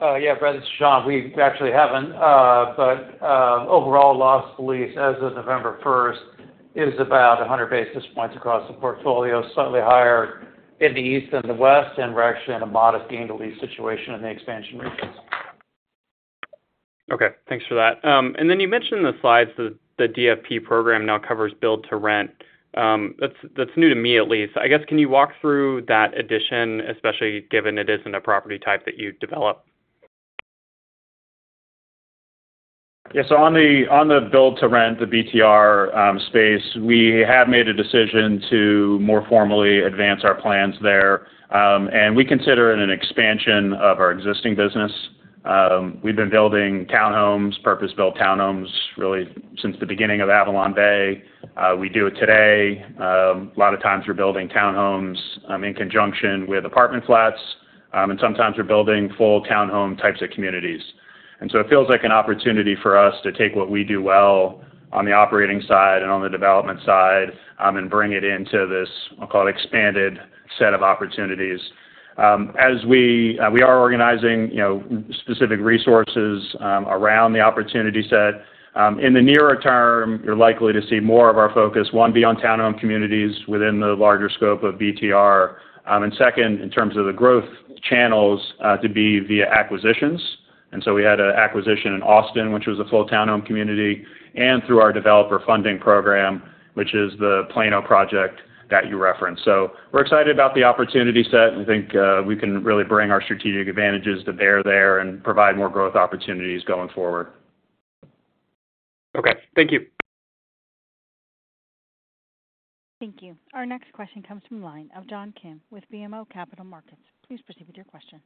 Yeah, Brad, this is Sean. We actually haven't. But overall, lost-to-lease as of November 1st is about 100 basis points across the portfolio, slightly higher in the east than the west. And we're actually in a modest gain-to-lease situation in the expansion regions. Okay. Thanks for that. And then you mentioned in the slides that the DFP program now covers build-to-rent. That's new to me, at least. I guess, can you walk through that addition, especially given it isn't a property type that you develop? Yeah. So on the build-to-rent, the BTR space, we have made a decision to more formally advance our plans there. And we consider it an expansion of our existing business. We've been building townhomes, purpose-built townhomes, really, since the beginning of AvalonBay. We do it today. A lot of times, we're building townhomes in conjunction with apartment flats. And sometimes, we're building full townhome types of communities. And so it feels like an opportunity for us to take what we do well on the operating side and on the development side and bring it into this, I'll call it, expanded set of opportunities. As we are organizing specific resources around the opportunity set, in the nearer term, you're likely to see more of our focus, one, be on townhome communities within the larger scope of BTR. And second, in terms of the growth channels, to be via acquisitions. And so we had an acquisition in Austin, which was a full townhome community, and through our Developer Funding Program, which is the Plano project that you referenced. So we're excited about the opportunity set. And I think we can really bring our strategic advantages to bear there and provide more growth opportunities going forward. Okay. Thank you. Thank you. Our next question comes from the line of John Kim with BMO Capital Markets. Please proceed with your question.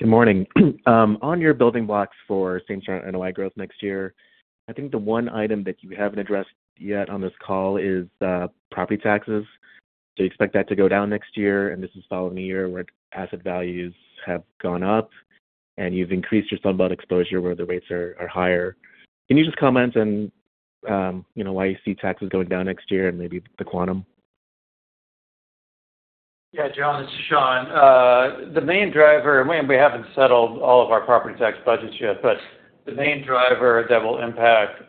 Good morning. On your building blocks for same-store and N.Y. growth next year, I think the one item that you haven't addressed yet on this call is property taxes. Do you expect that to go down next year? And this is following a year where asset values have gone up, and you've increased your Sunbelt exposure where the rates are higher. Can you just comment on why you see taxes going down next year and maybe the quantum? Yeah, John, this is Sean. The main driver, and we haven't settled all of our property tax budgets yet, but the main driver that will impact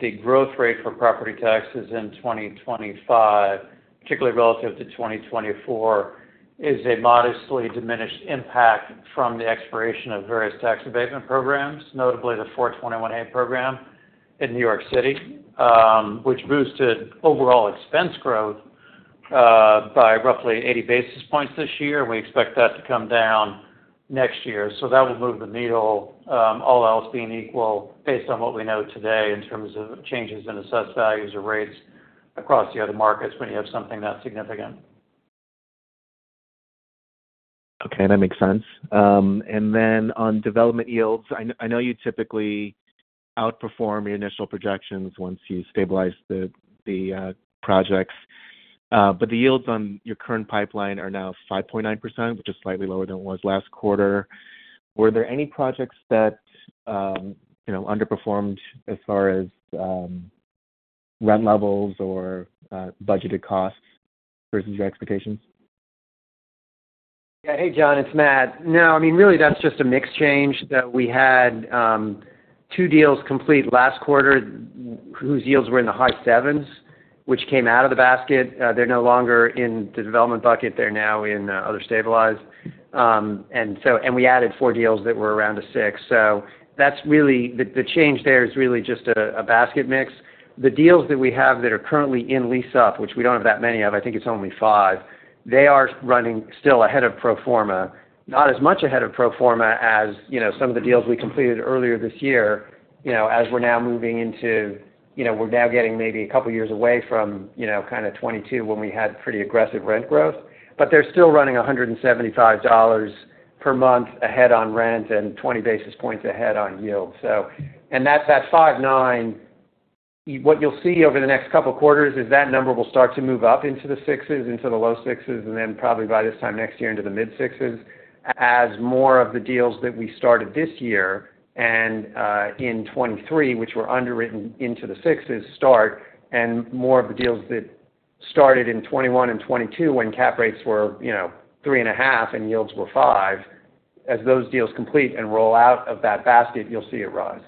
the growth rate for property taxes in 2025, particularly relative to 2024, is a modestly diminished impact from the expiration of various tax abatement programs, notably the 421-a program in New York City, which boosted overall expense growth by roughly 80 basis points this year. And we expect that to come down next year. So that will move the needle, all else being equal, based on what we know today in terms of changes in assessed values or rates across the other markets when you have something that significant. Okay. That makes sense. And then on development yields, I know you typically outperform your initial projections once you stabilize the projects. But the yields on your current pipeline are now 5.9%, which is slightly lower than it was last quarter. Were there any projects that underperformed as far as rent levels or budgeted costs versus your expectations? Yeah. Hey, John. It's Matt. No. I mean, really, that's just a mixed change. We had two deals complete last quarter whose yields were in the high sevens, which came out of the basket. They're no longer in the development bucket. They're now in other stabilized. And we added four deals that were around a six. So the change there is really just a basket mix. The deals that we have that are currently in lease-up, which we don't have that many of, I think it's only five, they are running still ahead of pro forma, not as much ahead of pro forma as some of the deals we completed earlier this year. As we're now moving into, we're now getting maybe a couple of years away from kind of 2022 when we had pretty aggressive rent growth. But they're still running $175 per month ahead on rent and 20 basis points ahead on yield. And that 5.9, what you'll see over the next couple of quarters is that number will start to move up into the sixes, into the low sixes, and then probably by this time next year into the mid-sixes as more of the deals that we started this year and in 2023, which were underwritten into the sixes, start. And more of the deals that started in 2021 and 2022 when cap rates were 3.5 and yields were five, as those deals complete and roll out of that basket, you'll see it rise.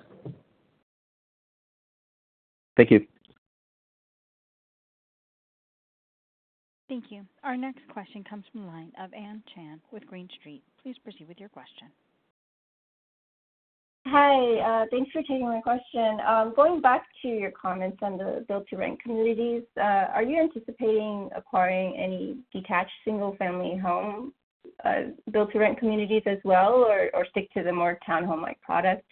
Thank you. Thank you. Our next question comes from the line of Anne Zhang with Green Street. Please proceed with your question. Hi. Thanks for taking my question. Going back to your comments on the build-to-rent communities, are you anticipating acquiring any detached single-family home build-to-rent communities as well, or stick to the more townhome-like product?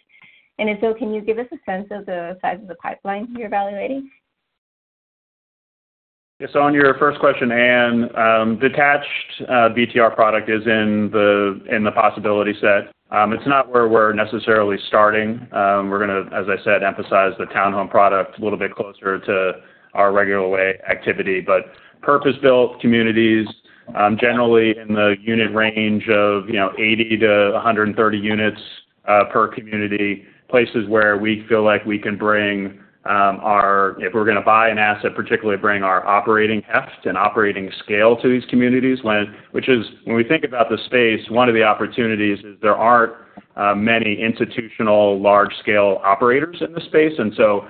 And if so, can you give us a sense of the size of the pipeline you're evaluating? Yeah. So on your first question, Anne, detached BTR product is in the possibility set. It's not where we're necessarily starting. We're going to, as I said, emphasize the townhome product a little bit closer to our regular way activity. But purpose-built communities, generally in the unit range of 80-130 units per community, places where we feel like we can bring our—if we're going to buy an asset, particularly bring our operating heft and operating scale to these communities, which is, when we think about the space, one of the opportunities is there aren't many institutional large-scale operators in the space. And so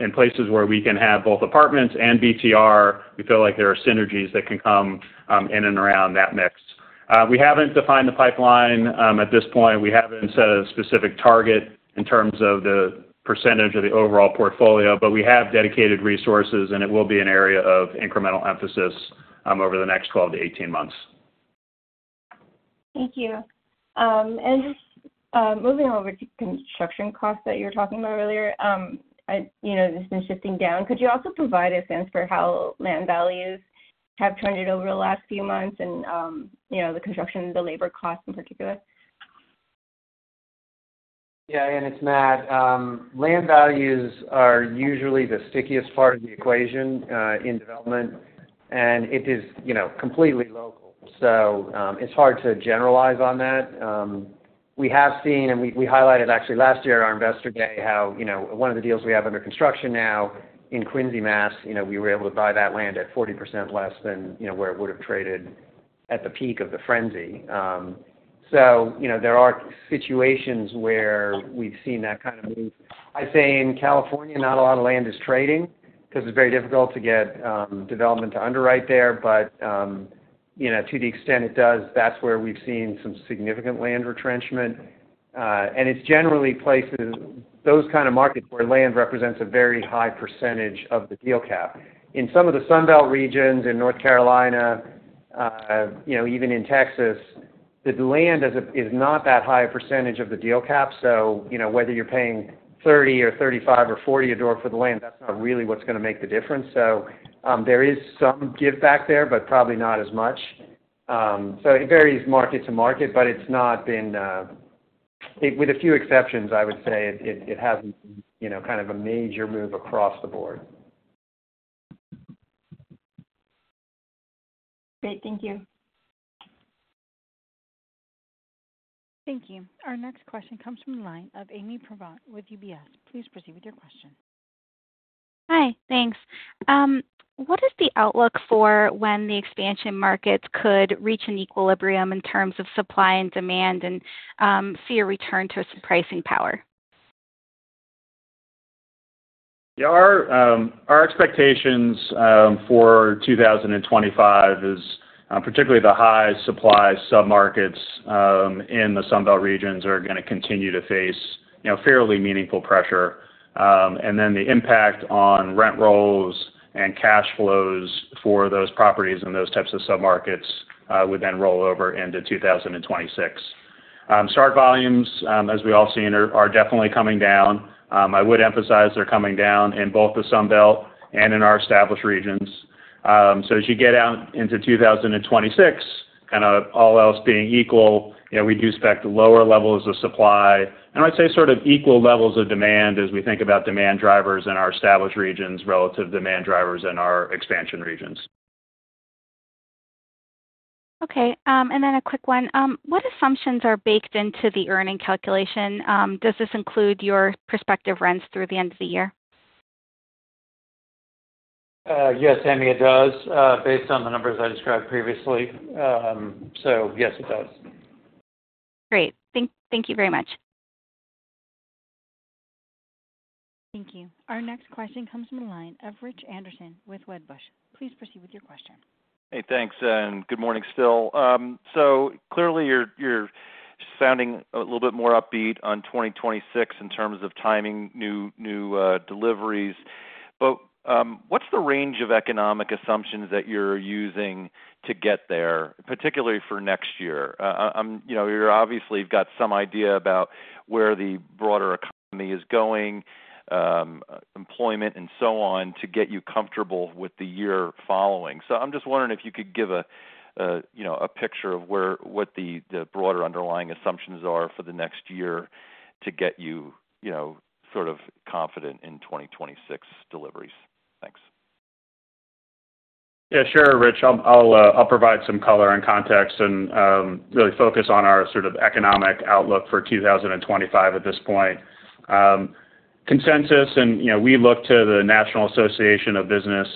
in places where we can have both apartments and BTR, we feel like there are synergies that can come in and around that mix. We haven't defined the pipeline at this point. We haven't set a specific target in terms of the percentage of the overall portfolio, but we have dedicated resources, and it will be an area of incremental emphasis over the next 12 to 18 months. Thank you. And just moving over to construction costs that you were talking about earlier, this has been shifting down. Could you also provide a sense for how land values have trended over the last few months and the construction, the labor costs in particular? Yeah. And it's Matt. Land values are usually the stickiest part of the equation in development. And it is completely local. So it's hard to generalize on that. We have seen, and we highlighted actually last year at our investor day how one of the deals we have under construction now in Quincy, Massachusetts, we were able to buy that land at 40% less than where it would have traded at the peak of the frenzy. So there are situations where we've seen that kind of move. I'd say in California, not a lot of land is trading because it's very difficult to get development to underwrite there. But to the extent it does, that's where we've seen some significant land retrenchment. And it's generally places, those kind of markets where land represents a very high percentage of the deal cap. In some of the Sunbelt regions in North Carolina, even in Texas, the land is not that high a percentage of the deal cap. So whether you're paying $30 or $35 or $40 a door for the land, that's not really what's going to make the difference. So there is some give back there, but probably not as much. So it varies market to market, but it's not been, with a few exceptions, I would say, it hasn't been kind of a major move across the board. Great. Thank you. Thank you. Our next question comes from the line of Ami Probandt with UBS. Please proceed with your question. Hi. Thanks. What is the outlook for when the expansion markets could reach an equilibrium in terms of supply and demand and see a return to some pricing power? Yeah. Our expectations for 2025 is particularly the high supply submarkets in the Sunbelt regions are going to continue to face fairly meaningful pressure. And then the impact on rent rolls and cash flows for those properties and those types of submarkets would then roll over into 2026. Starts volumes, as we all see, are definitely coming down. I would emphasize they're coming down in both the Sunbelt and in our established regions. So as you get out into 2026, kind of all else being equal, we do expect lower levels of supply. And I'd say sort of equal levels of demand as we think about demand drivers in our established regions relative to demand drivers in our expansion regions. Okay. And then a quick one. What assumptions are baked into the earnings calculation? Does this include your prospective rents through the end of the year? Yes, Ami, it does, based on the numbers I described previously. So yes, it does. Great. Thank you very much. Thank you. Our next question comes from the line of Rich Anderson with Wedbush. Please proceed with your question. Hey, thanks. And good morning still. So clearly, you're sounding a little bit more upbeat on 2026 in terms of timing new deliveries. But what's the range of economic assumptions that you're using to get there, particularly for next year? You're obviously got some idea about where the broader economy is going, employment, and so on to get you comfortable with the year following. So I'm just wondering if you could give a picture of what the broader underlying assumptions are for the next year to get you sort of confident in 2026 deliveries. Thanks. Yeah. Sure, Rich. I'll provide some color and context and really focus on our sort of economic outlook for 2025 at this point. Consensus, and we look to the National Association of Business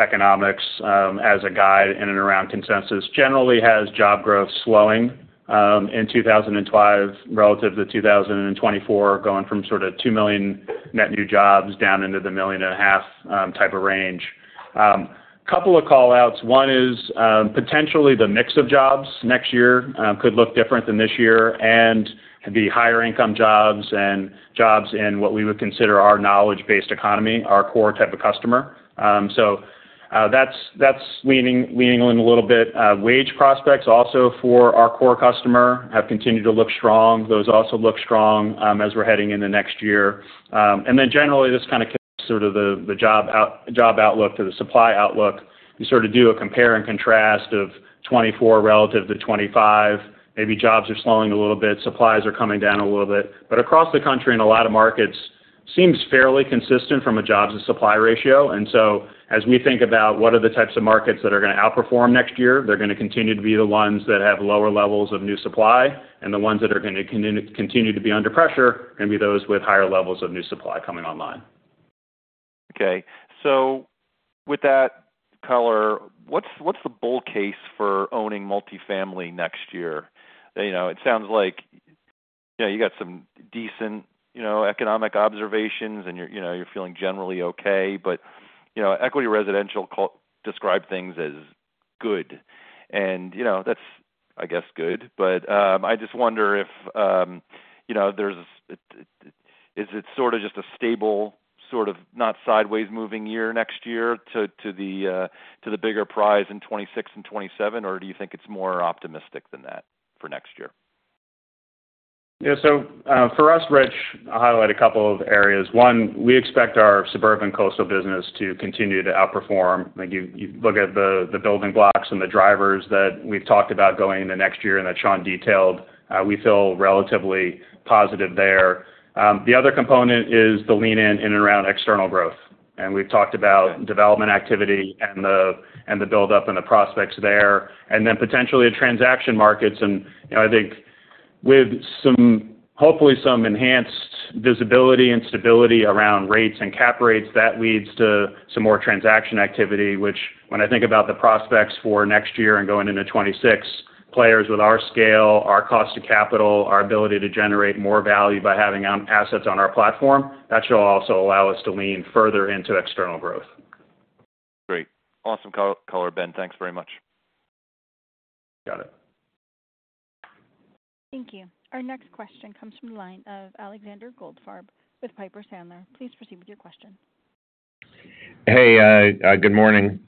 Economics as a guide in and around consensus, generally has job growth slowing in 2025 relative to 2024, going from sort of 2 million net new jobs down into the 1.5 million type of range. A couple of callouts. One is potentially the mix of jobs next year could look different than this year and be higher income jobs and jobs in what we would consider our knowledge-based economy, our core type of customer. So that's leaning in a little bit. Wage prospects also for our core customer have continued to look strong. Those also look strong as we're heading into next year. Generally, this kind of connects sort of the job outlook to the supply outlook. You sort of do a compare and contrast of 2024 relative to 2025. Maybe jobs are slowing a little bit. Supplies are coming down a little bit. But across the country in a lot of markets, seems fairly consistent from a jobs to supply ratio. And so as we think about what are the types of markets that are going to outperform next year, they're going to continue to be the ones that have lower levels of new supply. And the ones that are going to continue to be under pressure are going to be those with higher levels of new supply coming online. Okay. So with that color, what's the bull case for owning multifamily next year? It sounds like you got some decent economic observations, and you're feeling generally okay. But Equity Residential described things as good. And that's, I guess, good. But I just wonder if there's - is it sort of just a stable, sort of not sideways moving year next year to the bigger prize in 2026 and 2027? Or do you think it's more optimistic than that for next year? Yeah. So for us, Rich, I'll highlight a couple of areas. One, we expect our suburban coastal business to continue to outperform. You look at the building blocks and the drivers that we've talked about going into next year and that Sean detailed. We feel relatively positive there. The other component is the lean-in and around external growth. And we've talked about development activity and the build-up and the prospects there. And then potentially transaction markets. And I think with hopefully some enhanced visibility and stability around rates and cap rates, that leads to some more transaction activity, which when I think about the prospects for next year and going into 2026, players with our scale, our cost of capital, our ability to generate more value by having assets on our platform, that should also allow us to lean further into external growth. Great. Awesome color, Ben. Thanks very much. Got it. Thank you. Our next question comes from the line of Alexander Goldfarb with Piper Sandler. Please proceed with your question. Hey, good morning.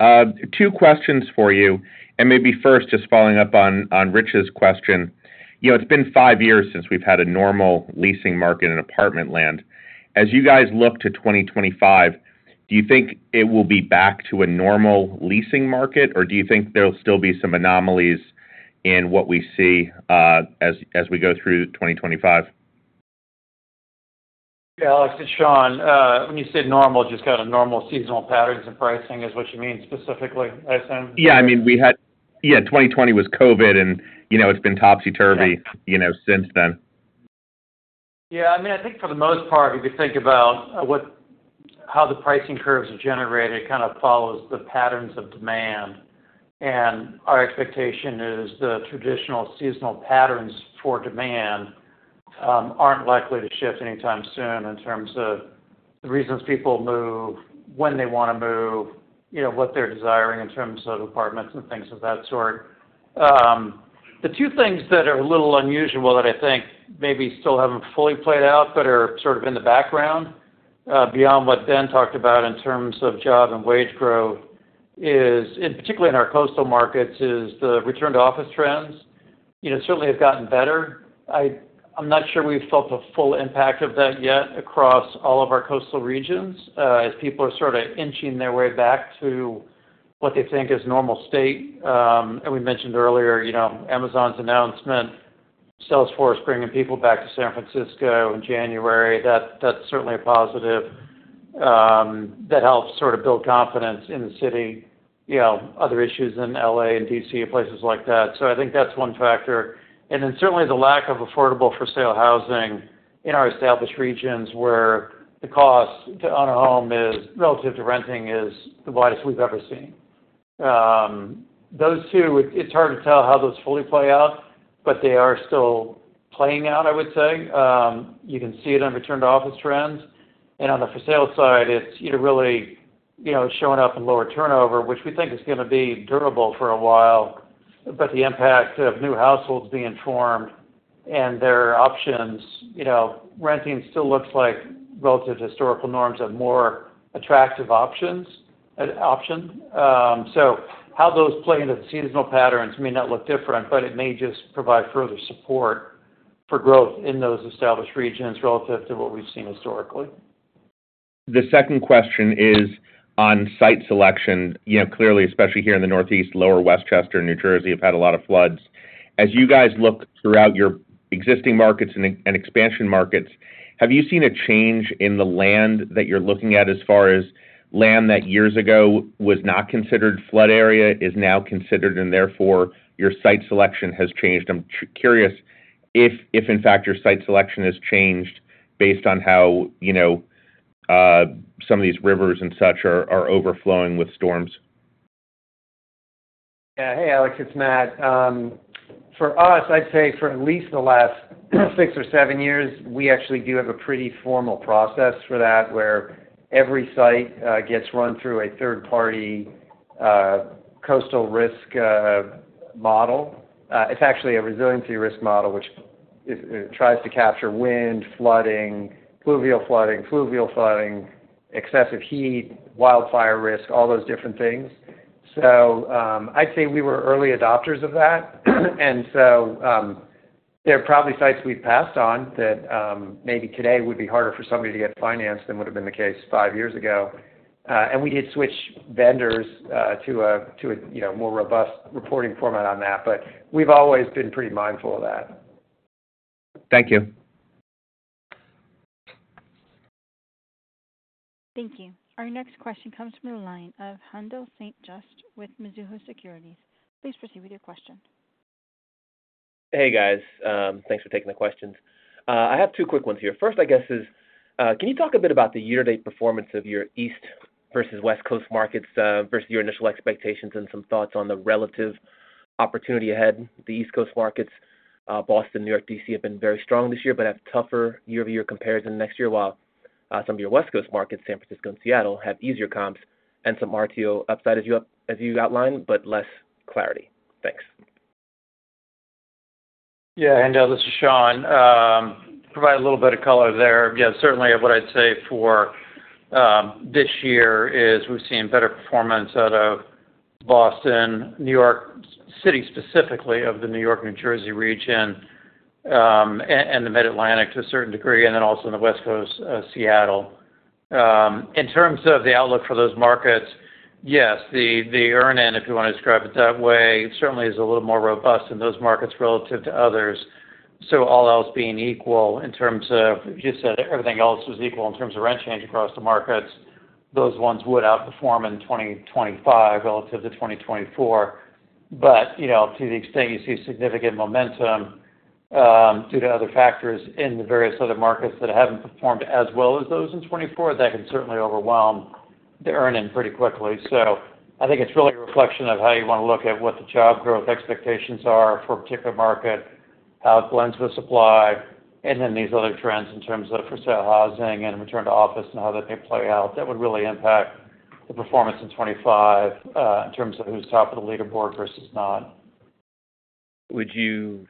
Two questions for you, and maybe first, just following up on Rich's question, it's been five years since we've had a normal leasing market in apartment land. As you guys look to 2025, do you think it will be back to a normal leasing market? Or do you think there'll still be some anomalies in what we see as we go through 2025? Yeah. I'll ask it to Sean. When you say normal, just kind of normal seasonal patterns and pricing is what you mean specifically, I assume? Yeah. I mean, we had, yeah, 2020 was COVID, and it's been topsy-turvy since then. Yeah. I mean, I think for the most part, if you think about how the pricing curves are generated, it kind of follows the patterns of demand. And our expectation is the traditional seasonal patterns for demand aren't likely to shift anytime soon in terms of the reasons people move, when they want to move, what they're desiring in terms of apartments and things of that sort. The two things that are a little unusual that I think maybe still haven't fully played out but are sort of in the background beyond what Ben talked about in terms of job and wage growth, particularly in our coastal markets, is the return-to-office trends certainly have gotten better. I'm not sure we've felt the full impact of that yet across all of our coastal regions as people are sort of inching their way back to what they think is normal state. We mentioned earlier Amazon's announcement, Salesforce bringing people back to San Francisco in January. That's certainly a positive that helps sort of build confidence in the city. Other issues in L.A. and D.C. and places like that. So I think that's one factor. And then certainly the lack of affordable for-sale housing in our established regions where the cost to own a home relative to renting is the widest we've ever seen. Those two, it's hard to tell how those fully play out, but they are still playing out, I would say. You can see it on return-to-office trends. And on the for-sale side, it's really showing up in lower turnover, which we think is going to be durable for a while. But the impact of new households being formed and their options, renting still looks like relative to historical norms of more attractive options. How those play into the seasonal patterns may not look different, but it may just provide further support for growth in those established regions relative to what we've seen historically. The second question is on site selection. Clearly, especially here in the Northeast, lower Westchester, New Jersey, have had a lot of floods. As you guys look throughout your existing markets and expansion markets, have you seen a change in the land that you're looking at as far as land that years ago was not considered flood area is now considered? And therefore, your site selection has changed. I'm curious if, in fact, your site selection has changed based on how some of these rivers and such are overflowing with storms. Yeah. Hey, Alex. It's Matt. For us, I'd say for at least the last six or seven years, we actually do have a pretty formal process for that where every site gets run through a third-party coastal risk model. It's actually a resiliency risk model which tries to capture wind, flooding, pluvial flooding, fluvial flooding, excessive heat, wildfire risk, all those different things. So I'd say we were early adopters of that. And so there are probably sites we've passed on that maybe today would be harder for somebody to get financed than would have been the case five years ago. And we did switch vendors to a more robust reporting format on that. But we've always been pretty mindful of that. Thank you. Thank you. Our next question comes from the line of Haendel St. Juste with Mizuho Securities. Please proceed with your question. Hey, guys. Thanks for taking the questions. I have two quick ones here. First, I guess, is can you talk a bit about the year-to-date performance of your East versus West Coast markets versus your initial expectations and some thoughts on the relative opportunity ahead? The East Coast markets, Boston, New York, D.C. have been very strong this year but have tougher year-to-year comparison next year, while some of your West Coast markets, San Francisco and Seattle, have easier comps and some RTO upside as you outlined, but less clarity. Thanks. Yeah. Hang on. This is Sean. Provide a little bit of color there. Yeah. Certainly, what I'd say for this year is we've seen better performance out of Boston, New York City specifically in the New York, New Jersey region and the Mid-Atlantic to a certain degree, and then also in the West Coast, Seattle. In terms of the outlook for those markets, yes, the earn-in, if you want to describe it that way, certainly is a little more robust in those markets relative to others. So all else being equal in terms of you just said everything else was equal in terms of rent change across the markets, those ones would outperform in 2025 relative to 2024. But to the extent you see significant momentum due to other factors in the various other markets that haven't performed as well as those in 2024, that can certainly overwhelm the earn-in pretty quickly. So I think it's really a reflection of how you want to look at what the job growth expectations are for a particular market, how it blends with supply, and then these other trends in terms of for-sale housing and return-to-office and how that may play out that would really impact the performance in 2025 in terms of who's top of the leaderboard versus not. Would you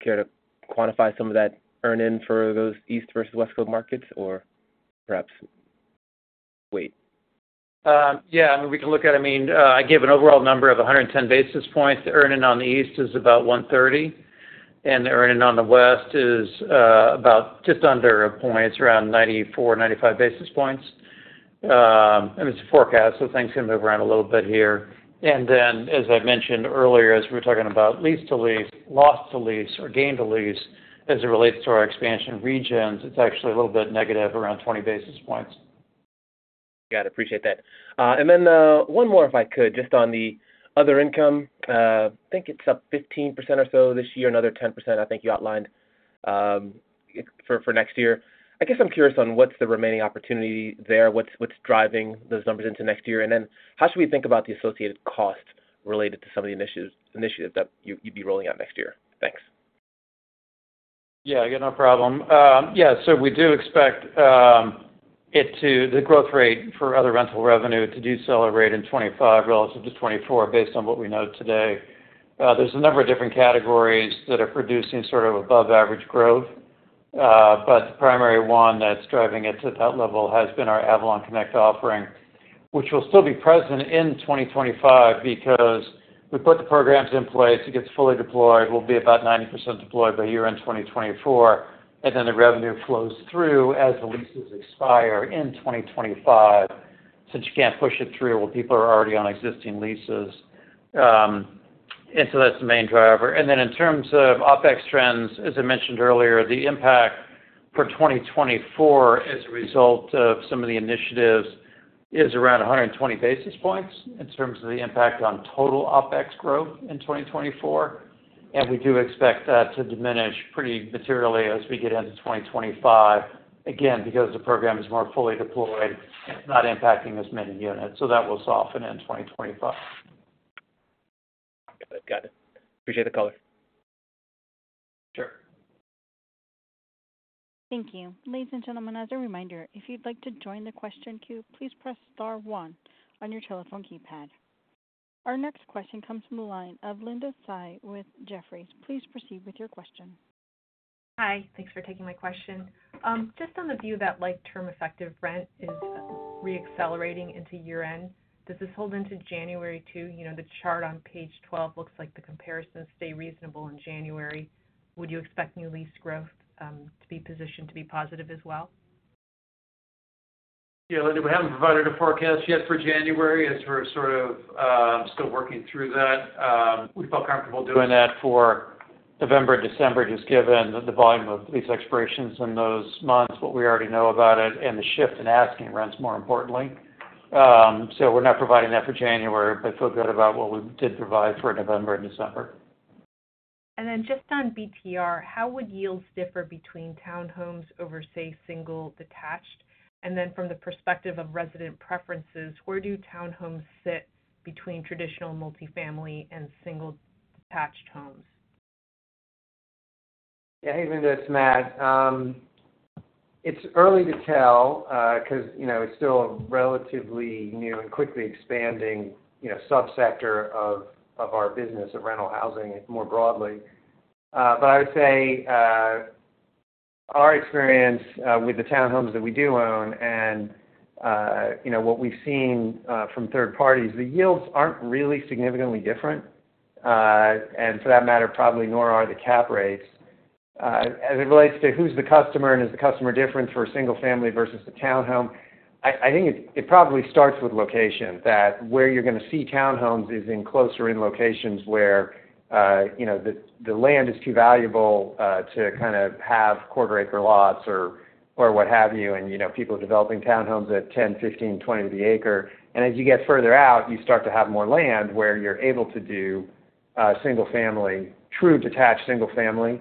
try to quantify some of that earn-in for those East versus West Coast markets or perhaps wait? Yeah. I mean, we can look at it. I mean, I gave an overall number of 110 basis points. The earn-in on the East is about 130 basis points. And the earn-in on the West is about just under a point, around 94 basis points, 95 basis points. And it's a forecast, so things can move around a little bit here. And then, as I mentioned earlier, as we're talking about lease-to-lease, loss-to-lease, or gain-to-lease as it relates to our expansion regions, it's actually a little bit negative around 20 basis points. Got it. Appreciate that. And then one more, if I could, just on the other income. I think it's up 15% or so this year, another 10%, I think you outlined for next year. I guess I'm curious on what's the remaining opportunity there, what's driving those numbers into next year. And then how should we think about the associated costs related to some of the initiatives that you'd be rolling out next year? Thanks. Yeah. Again, no problem. Yeah. So we do expect the growth rate for other rental revenue to decelerate in 2025 relative to 2024 based on what we know today. There's a number of different categories that are producing sort of above-average growth. But the primary one that's driving it to that level has been our AvalonConnect offering, which will still be present in 2025 because we put the programs in place. It gets fully deployed. We'll be about 90% deployed by year-end 2024. And then the revenue flows through as the leases expire in 2025 since you can't push it through while people are already on existing leases. And so that's the main driver. Then in terms of OpEx trends, as I mentioned earlier, the impact for 2024 as a result of some of the initiatives is around 120 basis points in terms of the impact on total OpEx growth in 2024. We do expect that to diminish pretty materially as we get into 2025, again, because the program is more fully deployed and it's not impacting as many units. That will soften in 2025. Got it. Got it. Appreciate the color. Sure. Thank you. Ladies and gentlemen, as a reminder, if you'd like to join the question queue, please press star one on your telephone keypad. Our next question comes from the line of Linda Tsai with Jefferies. Please proceed with your question. Hi. Thanks for taking my question. Just on the view that term-effective rent is re-accelerating into year-end, does this hold into January too? The chart on page 12 looks like the comparisons stay reasonable in January. Would you expect new lease growth to be positioned to be positive as well? Yeah. Linda, we haven't provided a forecast yet for January as we're sort of still working through that. We felt comfortable doing that for November and December just given the volume of lease expirations in those months, what we already know about it, and the shift in asking rents more importantly. So we're not providing that for January, but feel good about what we did provide for November and December. Just on BTR, how would yields differ between townhomes over, say, single-detached? From the perspective of resident preferences, where do townhomes sit between traditional multifamily and single-detached homes? Yeah. Hey, Linda. It's Matt. It's early to tell because it's still a relatively new and quickly expanding subsector of our business of rental housing more broadly, but I would say our experience with the townhomes that we do own and what we've seen from third parties, the yields aren't really significantly different, and for that matter, probably nor are the cap rates. As it relates to who's the customer and is the customer different for a single-family versus a townhome, I think it probably starts with location. That where you're going to see townhomes is in closer-in locations where the land is too valuable to kind of have quarter-acre lots or what have you, and people are developing townhomes at 10 acre, 15 acre, 20 acre, and as you get further out, you start to have more land where you're able to do single-family, true detached single-family.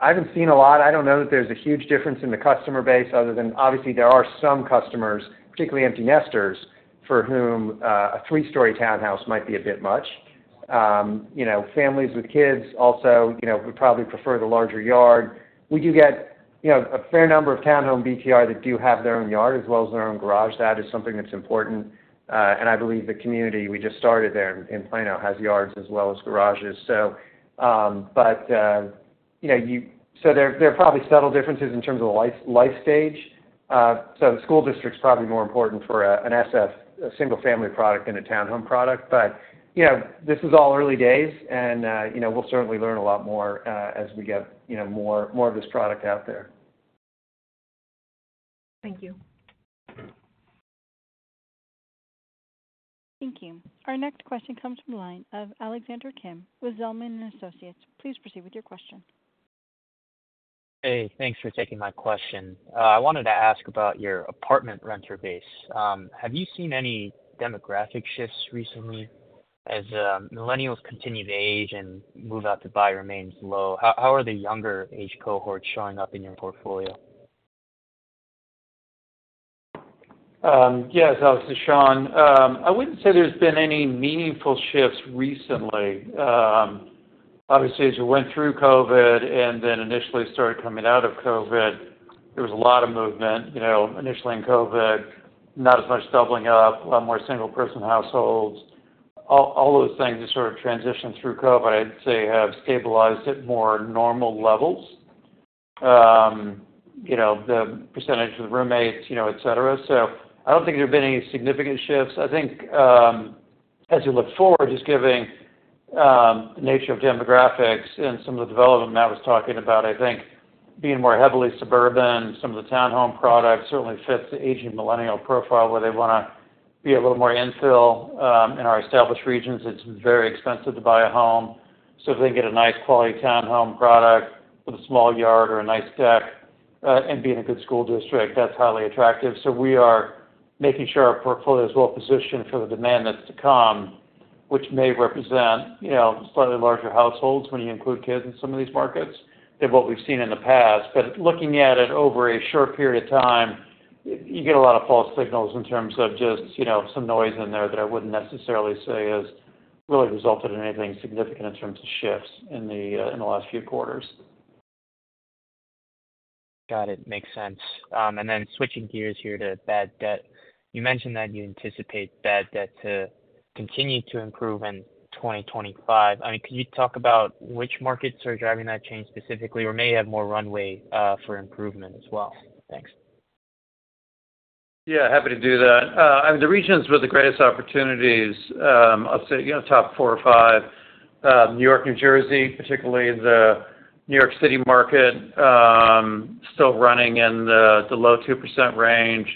I haven't seen a lot. I don't know that there's a huge difference in the customer base other than obviously there are some customers, particularly empty nesters, for whom a three-story townhouse might be a bit much. Families with kids also would probably prefer the larger yard. We do get a fair number of townhome BTR that do have their own yard as well as their own garage. That is something that's important. And I believe the community we just started there in Plano has yards as well as garages. But so there are probably subtle differences in terms of the life stage. So the school district's probably more important for an SF, a single-family product than a townhome product. But this is all early days, and we'll certainly learn a lot more as we get more of this product out there. Thank you. Thank you. Our next question comes from the line of Alexander Kim with Zelman & Associates. Please proceed with your question. Hey. Thanks for taking my question. I wanted to ask about your apartment renter base. Have you seen any demographic shifts recently as millennials continue to age and move out to buy remains low? How are the younger age cohorts showing up in your portfolio? Yeah. So this is Sean. I wouldn't say there's been any meaningful shifts recently. Obviously, as we went through COVID and then initially started coming out of COVID, there was a lot of movement. Initially in COVID, not as much doubling up, a lot more single-person households. All those things have sort of transitioned through COVID. I'd say they have stabilized at more normal levels, the percentage of the roommates, etc. So I don't think there have been any significant shifts. I think as we look forward, just given the nature of demographics and some of the development Matt was talking about, I think being more heavily suburban, some of the townhome product certainly fits the aging millennial profile where they want to be a little more infill. In our established regions, it's very expensive to buy a home. So if they can get a nice quality townhome product with a small yard or a nice deck and be in a good school district, that's highly attractive. So we are making sure our portfolio is well-positioned for the demand that's to come, which may represent slightly larger households when you include kids in some of these markets than what we've seen in the past. But looking at it over a short period of time, you get a lot of false signals in terms of just some noise in there that I wouldn't necessarily say has really resulted in anything significant in terms of shifts in the last few quarters. Got it. Makes sense, and then switching gears here to bad debt, you mentioned that you anticipate bad debt to continue to improve in 2025. I mean, could you talk about which markets are driving that change specifically or may have more runway for improvement as well? Thanks. Yeah. Happy to do that. I mean, the regions with the greatest opportunities, I'd say top four or five, New York, New Jersey, particularly the New York City market, still running in the low 2% range.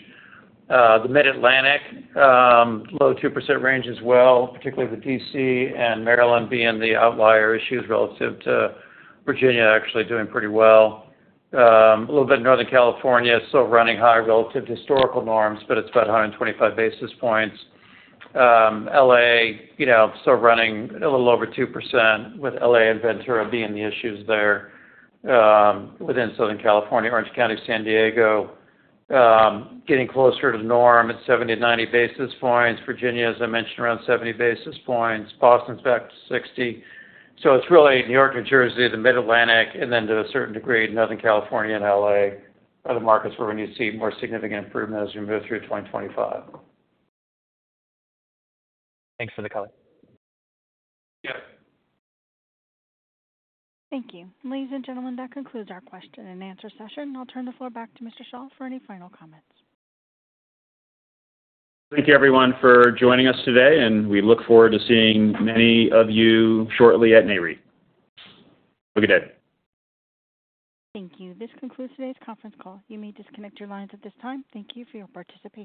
The Mid-Atlantic, low 2% range as well, particularly the D.C. and Maryland being the outlier issues relative to Virginia actually doing pretty well. A little bit in Northern California, still running high relative to historical norms, but it's about 125 basis points. L.A., still running a little over 2% with L.A. and Ventura being the issues there within Southern California. Orange County, San Diego, getting closer to norm at 70 basis points-90 basis points. Virginia, as I mentioned, around 70 basis points. Boston's back to 60 basis points. So it's really New York, New Jersey, the Mid-Atlantic, and then to a certain degree, Northern California and L.A. are the markets where we need to see more significant improvement as we move through 2025. Thanks for the color. Yep. Thank you. Ladies and gentlemen, that concludes our question and answer session. I'll turn the floor back to Mr. Schall for any final comments. Thank you, everyone, for joining us today. And we look forward to seeing many of you shortly at NAREIT. Have a good day. Thank you. This concludes today's conference call. You may disconnect your lines at this time. Thank you for your participation.